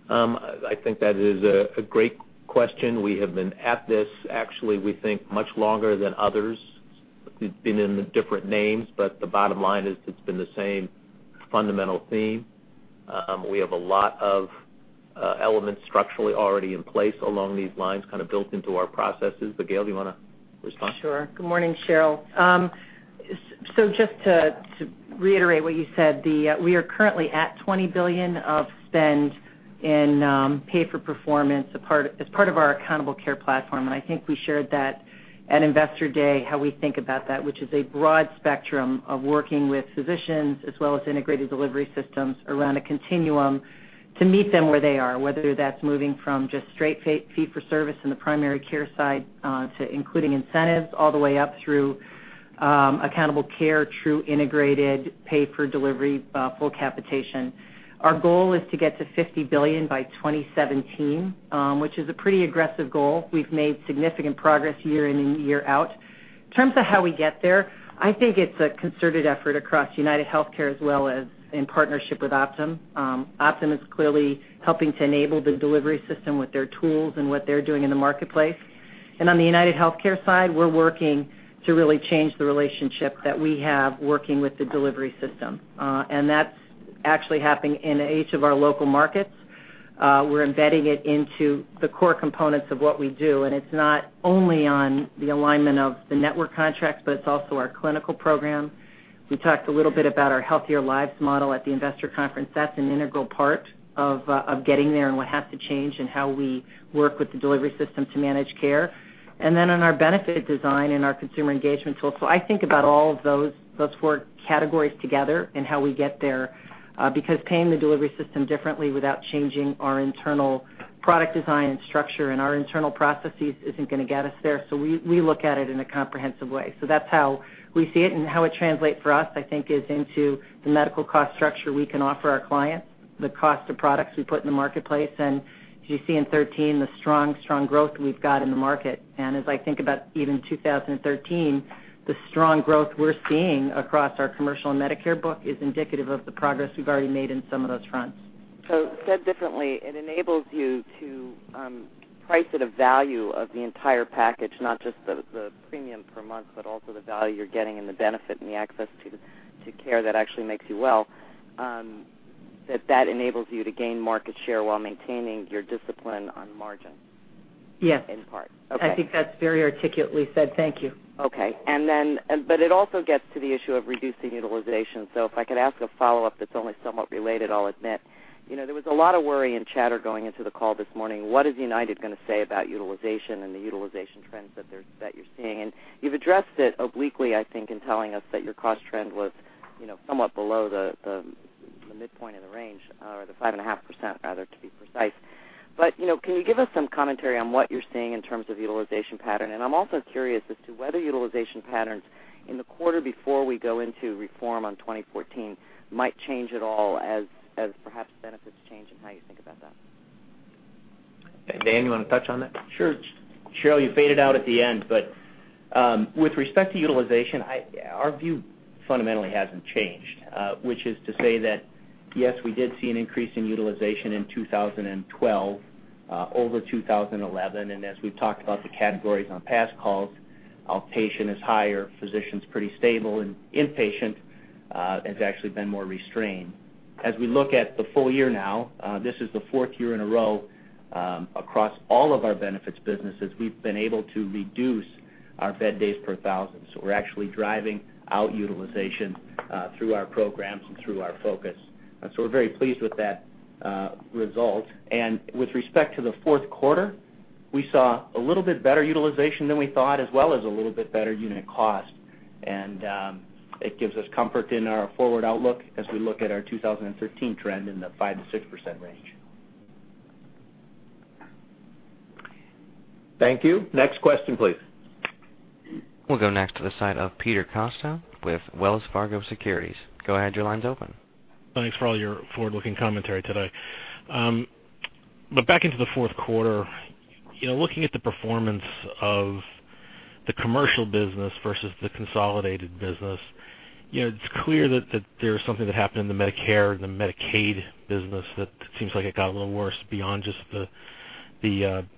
I think that is a great question. We have been at this, actually, we think much longer than others. We've been in the different names, but the bottom line is it's been the same fundamental theme. We have a lot of elements structurally already in place along these lines, kind of built into our processes. Gail, do you want to respond? Sure. Good morning, Sheryl. Just to reiterate what you said, we are currently at $20 billion of spend in pay-for-performance as part of our accountable care platform, and I think we shared that at Investor Day, how we think about that, which is a broad spectrum of working with physicians as well as integrated delivery systems around a continuum to meet them where they are, whether that's moving from just straight fee for service in the primary care side to including incentives all the way up through accountable care through integrated pay-for-delivery full capitation. Our goal is to get to $50 billion by 2017, which is a pretty aggressive goal. We've made significant progress year in and year out. In terms of how we get there, I think it's a concerted effort across UnitedHealthcare as well as in partnership with Optum. Optum is clearly helping to enable the delivery system with their tools and what they're doing in the marketplace. On the UnitedHealthcare side, we're working to really change the relationship that we have working with the delivery system. That's actually happening in each of our local markets. We're embedding it into the core components of what we do, and it's not only on the alignment of the network contracts, but it's also our clinical programs. We talked a little bit about our Healthier Lives model at the investor conference. That's an integral part of getting there and what has to change and how we work with the delivery system to manage care. Then on our benefit design and our consumer engagement tools. I think about all of those four categories together and how we get there, because paying the delivery system differently without changing our internal product design and structure and our internal processes isn't going to get us there. We look at it in a comprehensive way. That's how we see it and how it translates for us, I think, is into the medical cost structure we can offer our clients, the cost of products we put in the marketplace. As you see in 2013, the strong growth we've got in the market. As I think about even 2013, the strong growth we're seeing across our commercial and Medicare book is indicative of the progress we've already made in some of those fronts. Said differently, it enables you to price at a value of the entire package, not just the premium per month, but also the value you're getting and the benefit and the access to care that actually makes you well. That enables you to gain market share while maintaining your discipline on margin? Yes. In part. Okay. I think that's very articulately said. Thank you. Okay. It also gets to the issue of reducing utilization. If I could ask a follow-up that's only somewhat related, I'll admit. There was a lot of worry and chatter going into the call this morning. What is United going to say about utilization and the utilization trends that you're seeing? You've addressed it obliquely, I think, in telling us that your cost trend was somewhat below the midpoint of the range or the 5.5%, rather, to be precise. Can you give us some commentary on what you're seeing in terms of utilization pattern? I'm also curious as to whether utilization patterns in the quarter before we go into reform on 2014 might change at all as perhaps benefits change and how you think about that. Dan, you want to touch on that? Sure. Sheryl, you faded out at the end. With respect to utilization, our view fundamentally hasn't changed. Which is to say that, yes, we did see an increase in utilization in 2012 over 2011, and as we've talked about the categories on past calls, outpatient is higher, physician's pretty stable, and inpatient has actually been more restrained. As we look at the full year now, this is the fourth year in a row across all of our benefits businesses we've been able to reduce our bed days per thousand. We're actually driving out utilization through our programs and through our focus. We're very pleased with that result. With respect to the fourth quarter, we saw a little bit better utilization than we thought as well as a little bit better unit cost. It gives us comfort in our forward outlook as we look at our 2013 trend in the 5% to 6% range. Thank you. Next question, please. We'll go next to the side of Peter Costa with Wells Fargo Securities. Go ahead, your line's open. Thanks for all your forward-looking commentary today. Back into the fourth quarter, looking at the performance of the commercial business versus the consolidated business, it's clear that there's something that happened in the Medicare and the Medicaid business that seems like it got a little worse beyond just the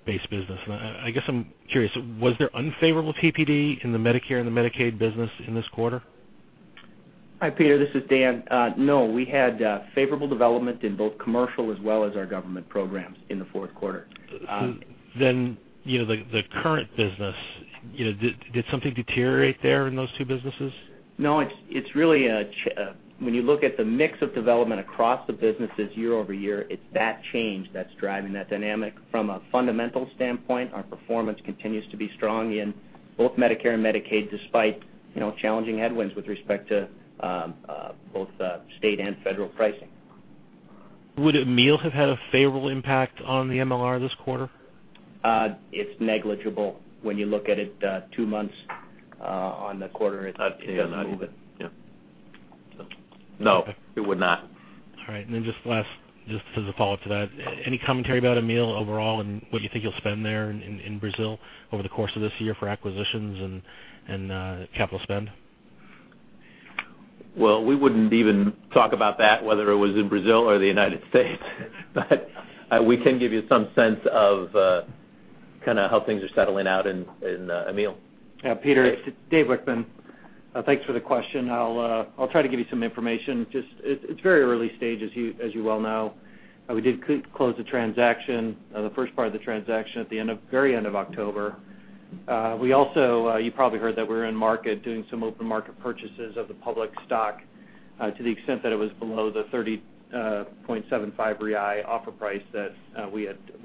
base business. I guess I'm curious, was there unfavorable TPD in the Medicare and the Medicaid business in this quarter? Hi, Peter, this is Dan. We had favorable development in both commercial as well as our government programs in the fourth quarter. The current business, did something deteriorate there in those two businesses? No, when you look at the mix of development across the businesses year-over-year, it's that change that's driving that dynamic. From a fundamental standpoint, our performance continues to be strong in both Medicare and Medicaid, despite challenging headwinds with respect to both state and federal pricing. Would Amil have had a favorable impact on the MLR this quarter? It's negligible when you look at it two months on the quarter, it doesn't move it. No, it would not. All right. Just last, just as a follow-up to that, any commentary about Amil overall and what you think you'll spend there in Brazil over the course of this year for acquisitions and capital spend? Well, we wouldn't even talk about that, whether it was in Brazil or the U.S. We can give you some sense of how things are settling out in Amil. Yeah, Peter, it's David Wichmann. Thanks for the question. I'll try to give you some information. It's very early stage, as you well know. We did close the first part of the transaction at the very end of October. You probably heard that we're in market doing some open market purchases of the public stock to the extent that it was below the 30.75 offer price that we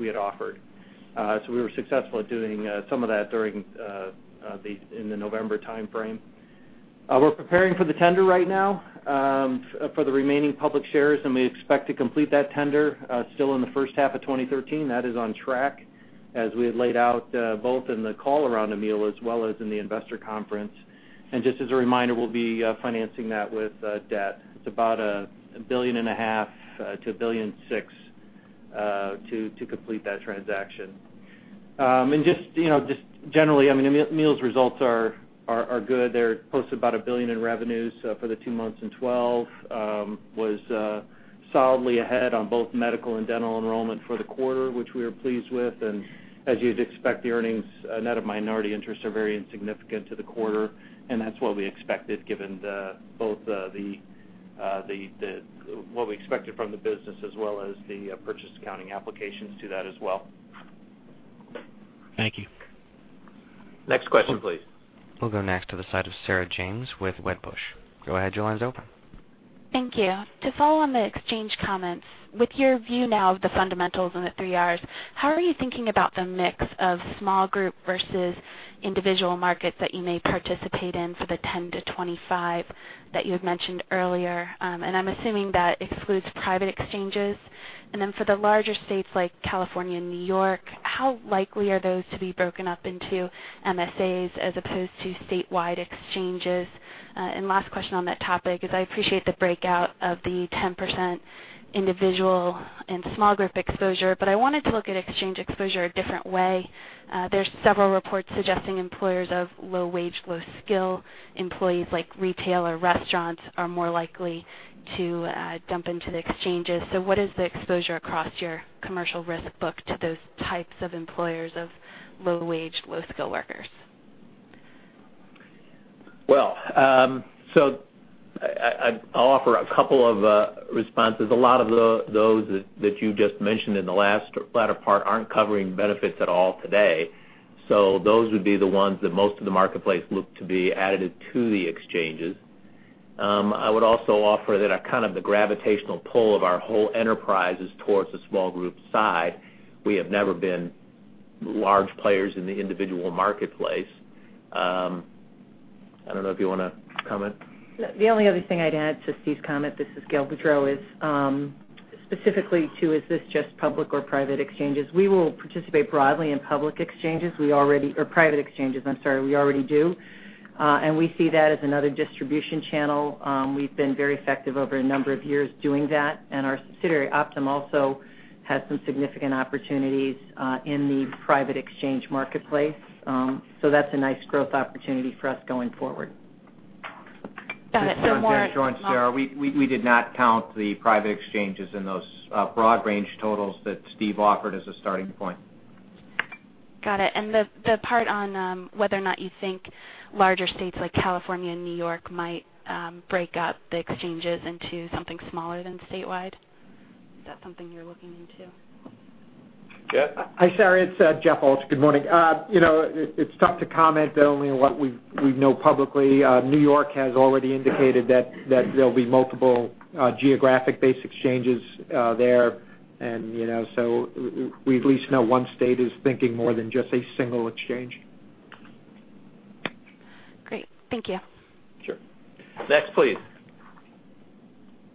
had offered. We were successful at doing some of that during in the November timeframe. We're preparing for the tender right now for the remaining public shares, and we expect to complete that tender still in the first half of 2013. That is on track as we had laid out both in the call around Amil as well as in the investor conference. Just as a reminder, we'll be financing that with debt. It's about $1.5 billion to $1.6 billion to complete that transaction. Just generally, Amil's results are good. They posted about $1 billion in revenues for the two months in 2012, was solidly ahead on both medical and dental enrollment for the quarter, which we are pleased with. As you'd expect, the earnings net of minority interest are very insignificant to the quarter, and that's what we expected given both what we expected from the business as well as the purchase accounting applications to that as well. Thank you. Next question, please. We'll go next to the side of Sarah James with Wedbush. Go ahead, your line's open. Thank you. To follow on the exchange comments, with your view now of the fundamentals and the three Rs, how are you thinking about the mix of small group versus individual markets that you may participate in for the 10 to 25 that you had mentioned earlier? I'm assuming that excludes private exchanges. Then for the larger states like California and New York, how likely are those to be broken up into MSAs as opposed to statewide exchanges? Last question on that topic is I appreciate the breakout of the 10% individual and small group exposure, I wanted to look at exchange exposure a different way. There's several reports suggesting employers of low-wage, low-skill employees like retail or restaurants are more likely to dump into the exchanges. What is the exposure across your commercial risk book to those types of employers of low-wage, low-skill workers? I'll offer a couple of responses. A lot of those that you just mentioned in the latter part aren't covering benefits at all today. Those would be the ones that most of the marketplace look to be added to the exchanges. I would also offer that the gravitational pull of our whole enterprise is towards the small group side. We have never been large players in the individual marketplace. I don't know if you want to comment. The only other thing I'd add to Steve's comment, this is Gail Boudreaux, is specifically to, is this just public or private exchanges? We will participate broadly in private exchanges. We already do. We see that as another distribution channel. We've been very effective over a number of years doing that, and our subsidiary, Optum, also has some significant opportunities in the private exchange marketplace. That's a nice growth opportunity for us going forward. This is John Shanahan, Sarah. We did not count the private exchanges in those broad range totals that Steve offered as a starting point. Got it. The part on whether or not you think larger states like California and New York might break up the exchanges into something smaller than statewide, is that something you're looking into? Jeff? Hi, Sarah. It's Jeff Allen. Good morning. It's tough to comment beyond what we know publicly. New York has already indicated that there'll be multiple geographic-based exchanges there, we at least know one state is thinking more than just a single exchange. Great. Thank you. Sure. Next, please.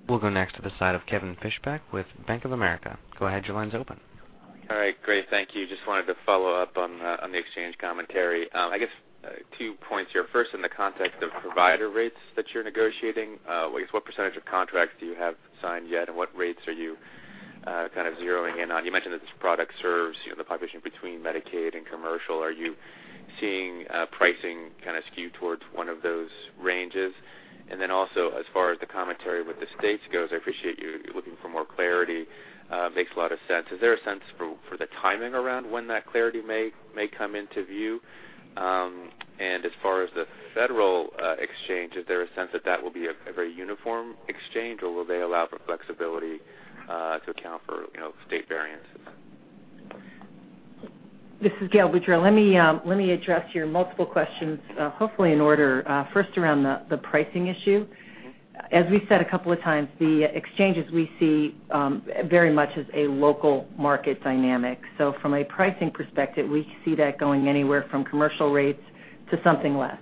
We'll go next to the side of Kevin Fischbeck with Bank of America. Go ahead, your line's open. All right, great. Thank you. Just wanted to follow up on the exchange commentary. I guess two points here. First, in the context of provider rates that you're negotiating, I guess what percentage of contracts do you have signed yet, and what rates are you zeroing in on? You mentioned that this product serves the population between Medicaid and commercial. Are you seeing pricing skew towards one of those ranges? As far as the commentary with the states goes, I appreciate you looking for more clarity. Makes a lot of sense. Is there a sense for the timing around when that clarity may come into view? As far as the federal exchange, is there a sense that that will be a very uniform exchange, or will they allow for flexibility to account for state variances? This is Gail Boudreaux. Let me address your multiple questions, hopefully in order. First, around the pricing issue. As we said a couple of times, the exchanges we see very much as a local market dynamic. From a pricing perspective, we see that going anywhere from commercial rates to something less.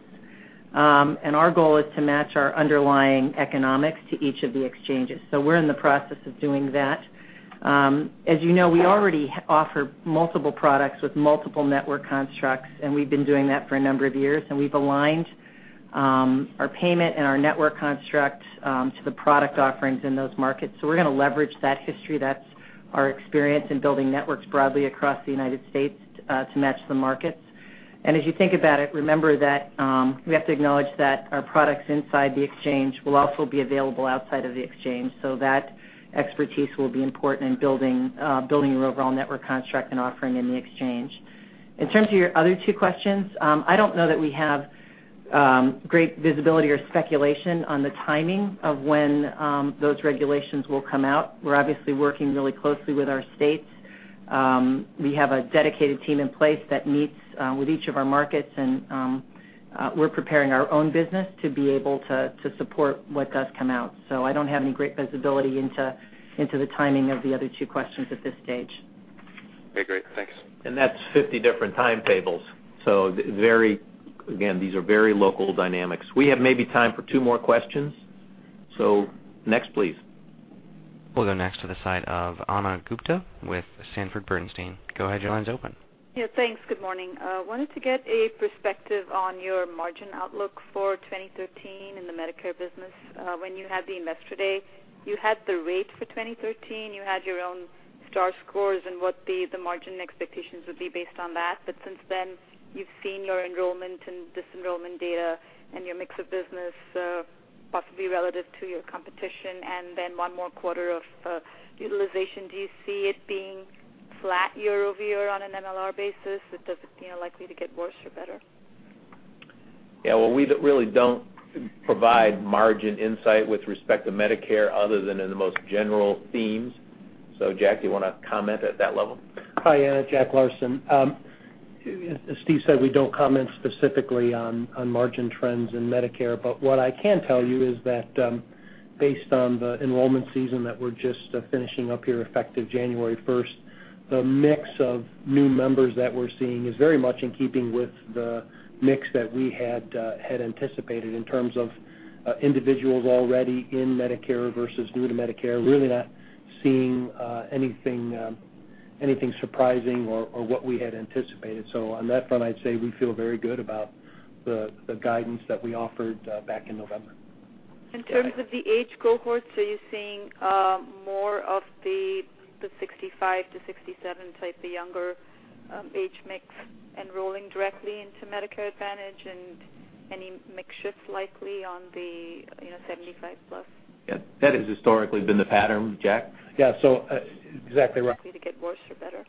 Our goal is to match our underlying economics to each of the exchanges. We're in the process of doing that. As you know, we already offer multiple products with multiple network constructs, and we've been doing that for a number of years. We've aligned our payment and our network construct to the product offerings in those markets. We're going to leverage that history. That's our experience in building networks broadly across the U.S. to match the markets. As you think about it, remember that we have to acknowledge that our products inside the exchange will also be available outside of the exchange. That expertise will be important in building your overall network construct and offering in the exchange. In terms of your other two questions, I don't know that we have great visibility or speculation on the timing of when those regulations will come out. We're obviously working really closely with our states. We have a dedicated team in place that meets with each of our markets, and we're preparing our own business to be able to support what does come out. I don't have any great visibility into the timing of the other two questions at this stage. Okay, great. Thanks. That's 50 different timetables. Again, these are very local dynamics. We have maybe time for two more questions. Next, please. We'll go next to the side of Ana Gupte with Sanford C. Bernstein. Go ahead, your line's open. Yeah, thanks. Good morning. Wanted to get a perspective on your margin outlook for 2013 in the Medicare business. When you had the investor day, you had the rate for 2013. You had your own Star scores and what the margin expectations would be based on that. Since then, you've seen your enrollment and dis-enrollment data and your mix of business, possibly relative to your competition, and then one more quarter of utilization. Do you see it being flat year-over-year on an MLR basis? Is it likely to get worse or better?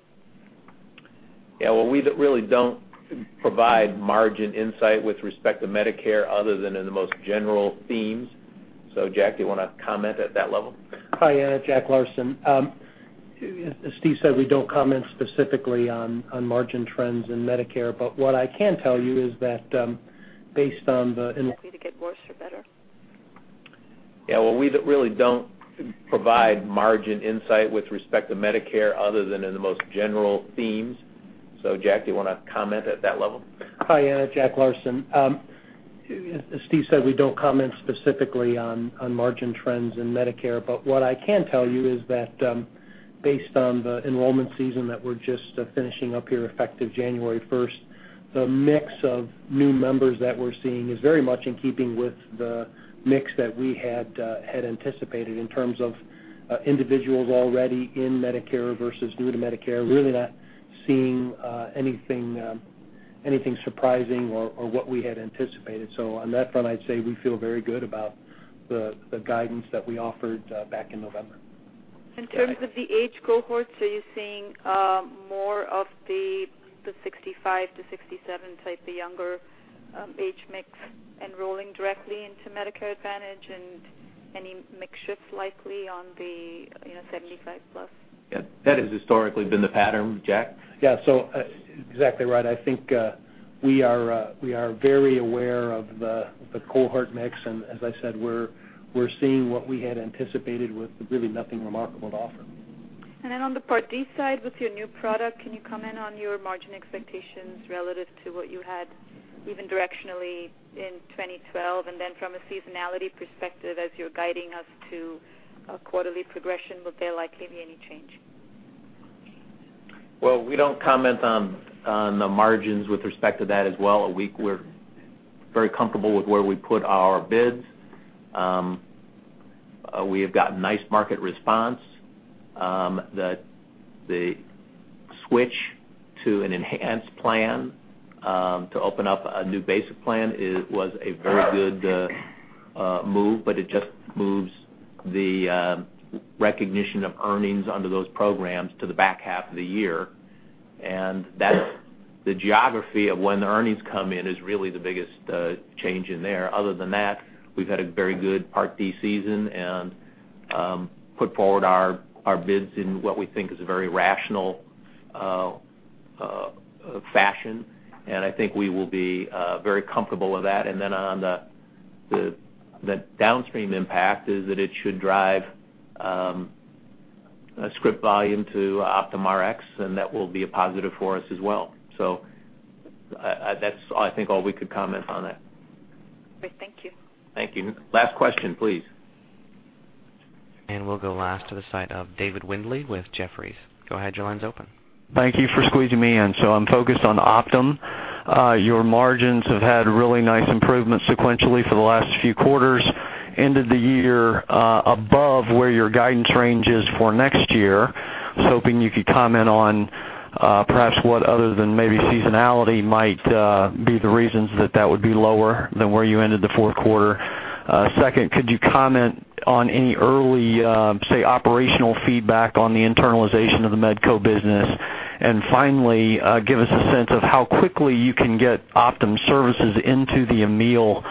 Yeah. Well, we really don't provide margin insight with respect to Medicare other than in the most general themes. Jack, do you want to comment at that level? Hi, Ana. Jack Larsen. As Steve said, we don't comment specifically on margin trends in Medicare. What I can tell you is that based on the enrollment season that we're just finishing up here effective January 1st, the mix of new members that we're seeing is very much in keeping with the mix that we had anticipated in terms of individuals already in Medicare versus new to Medicare. Really not seeing anything surprising or what we had anticipated. On that front, I'd say we feel very good about the guidance that we offered back in November. seeing what we had anticipated with really nothing remarkable to offer. On the Part D side with your new product, can you comment on your margin expectations relative to what you had even directionally in 2012? From a seasonality perspective, as you're guiding us to a quarterly progression, would there likely be any change? Well, we don't comment on the margins with respect to that as well. We're very comfortable with where we put our bids. We have gotten nice market response. The switch to an enhanced plan to open up a new basic plan was a very good move, but it just moves the recognition of earnings under those programs to the back half of the year. That's the geography of when the earnings come in is really the biggest change in there. Other than that, we've had a very good Part D season and put forward our bids in what we think is a very rational fashion, and I think we will be very comfortable with that. On the downstream impact is that it should drive a script volume to OptumRx, and that will be a positive for us as well. That's I think all we could comment on that. Great. Thank you. Thank you. Last question, please. We'll go last to the side of David Windley with Jefferies. Go ahead, your line's open. Thank you for squeezing me in. I'm focused on Optum. Your margins have had really nice improvements sequentially for the last few quarters, ended the year above where your guidance range is for next year. I was hoping you could comment on perhaps what other than maybe seasonality might be the reasons that that would be lower than where you ended the fourth quarter. Second, could you comment on any early, say, operational feedback on the internalization of the Medco business? Finally, give us a sense of how quickly you can get Optum services into the Amil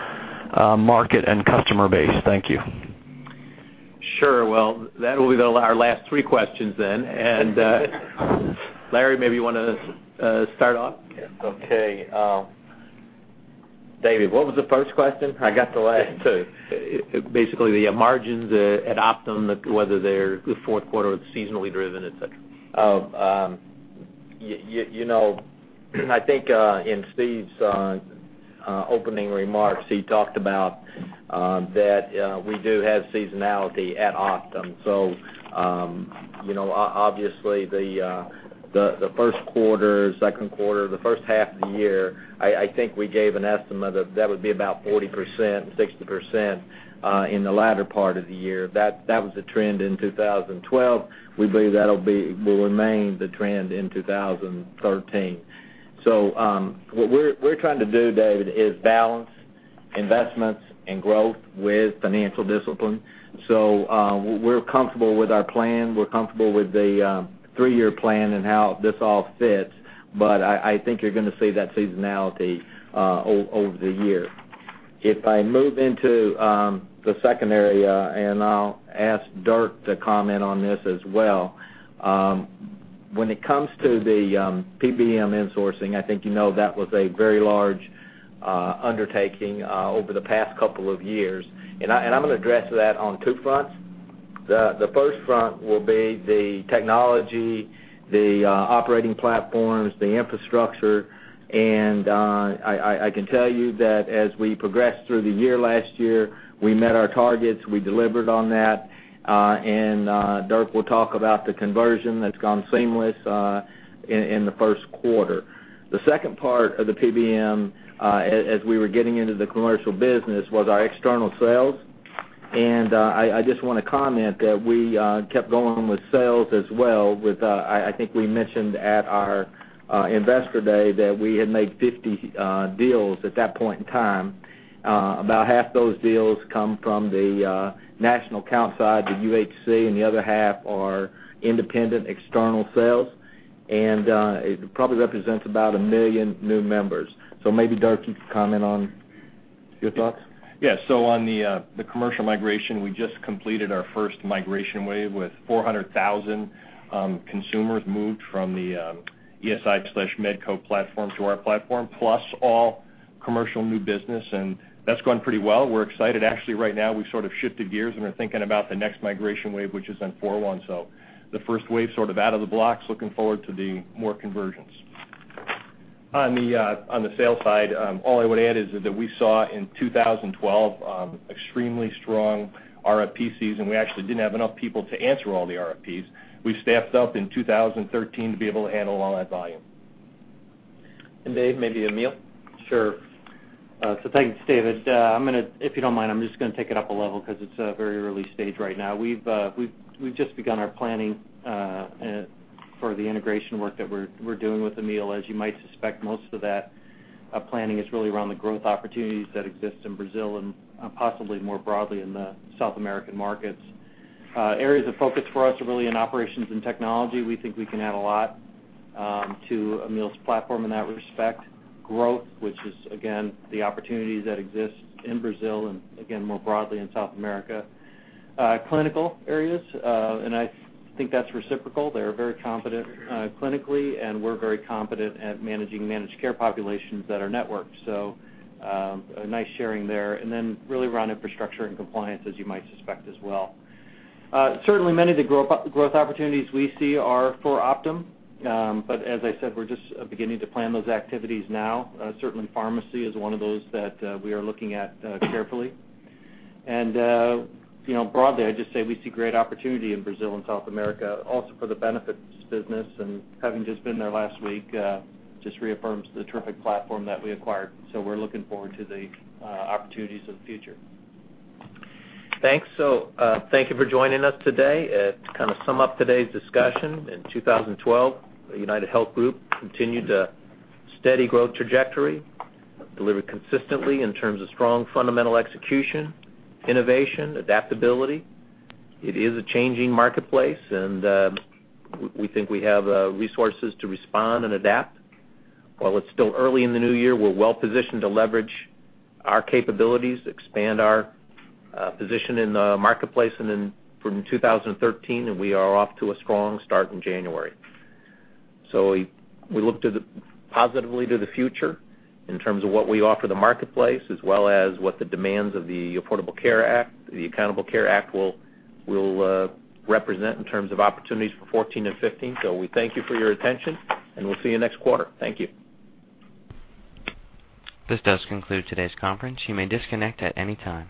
market and customer base. Thank you. That will be our last three questions then. Larry, maybe you want to start off? David, what was the first question? I got the last two. The margins at Optum, whether they're the fourth quarter or it's seasonally driven, et cetera. I think in Steve's opening remarks, he talked about that we do have seasonality at Optum. Obviously the first quarter, second quarter, the first half of the year, I think we gave an estimate of that would be about 40% and 60% in the latter part of the year. That was the trend in 2012. We believe that will remain the trend in 2013. What we're trying to do, David, is balance investments and growth with financial discipline. We're comfortable with our plan. We're comfortable with the three-year plan and how this all fits, I think you're going to see that seasonality over the year. If I move into the second area, I'll ask Dirk to comment on this as well. When it comes to the PBM insourcing, I think you know that was a very large undertaking over the past couple of years, I'm going to address that on two fronts. The first front will be the technology, the operating platforms, the infrastructure, and I can tell you that as we progressed through the year last year, we met our targets, we delivered on that, and Dirk will talk about the conversion that's gone seamless in the first quarter. The second part of the PBM, as we were getting into the commercial business, was our external sales. I just want to comment that we kept going with sales as well with, I think we mentioned at our investor day that we had made 50 deals at that point in time. About half those deals come from the national account side, the UHC, and the other half are independent external sales. It probably represents about a million new members. Maybe, Dirk, you could comment on Your thoughts? Yes. On the commercial migration, we just completed our first migration wave with 400,000 consumers moved from the ESI/Medco platform to our platform, plus all commercial new business, and that's going pretty well. We're excited. Actually, right now, we've sort of shifted gears and are thinking about the next migration wave, which is in 4/1. The first wave sort of out of the blocks, looking forward to the more conversions. On the sales side, all I would add is that we saw in 2012, extremely strong RFPs, and we actually didn't have enough people to answer all the RFPs. We've staffed up in 2013 to be able to handle all that volume. Dave, maybe Amil? Sure. Thanks, David. If you don't mind, I'm just going to take it up a level because it's a very early stage right now. We've just begun our planning for the integration work that we're doing with Amil. As you might suspect, most of that planning is really around the growth opportunities that exist in Brazil and possibly more broadly in the South American markets. Areas of focus for us are really in operations and technology. We think we can add a lot to Amil's platform in that respect. Growth, which is, again, the opportunities that exist in Brazil and again, more broadly in South America. Clinical areas, I think that's reciprocal. They are very competent clinically, and we're very competent at managing managed care populations that are networked. A nice sharing there. Then really around infrastructure and compliance, as you might suspect as well. Certainly, many of the growth opportunities we see are for Optum. As I said, we're just beginning to plan those activities now. Certainly, pharmacy is one of those that we are looking at carefully. Broadly, I'd just say we see great opportunity in Brazil and South America also for the benefits business and having just been there last week, just reaffirms the terrific platform that we acquired. We're looking forward to the opportunities of the future. Thanks. Thank you for joining us today. To kind of sum up today's discussion, in 2012, UnitedHealth Group continued a steady growth trajectory, delivered consistently in terms of strong fundamental execution, innovation, adaptability. It is a changing marketplace, we think we have resources to respond and adapt. While it's still early in the new year, we're well-positioned to leverage our capabilities, expand our position in the marketplace from 2013, we are off to a strong start in January. We look positively to the future in terms of what we offer the marketplace, as well as what the demands of the Affordable Care Act, the Accountable Care Act will represent in terms of opportunities for 2014 and 2015. We thank you for your attention, we'll see you next quarter. Thank you. This does conclude today's conference. You may disconnect at any time.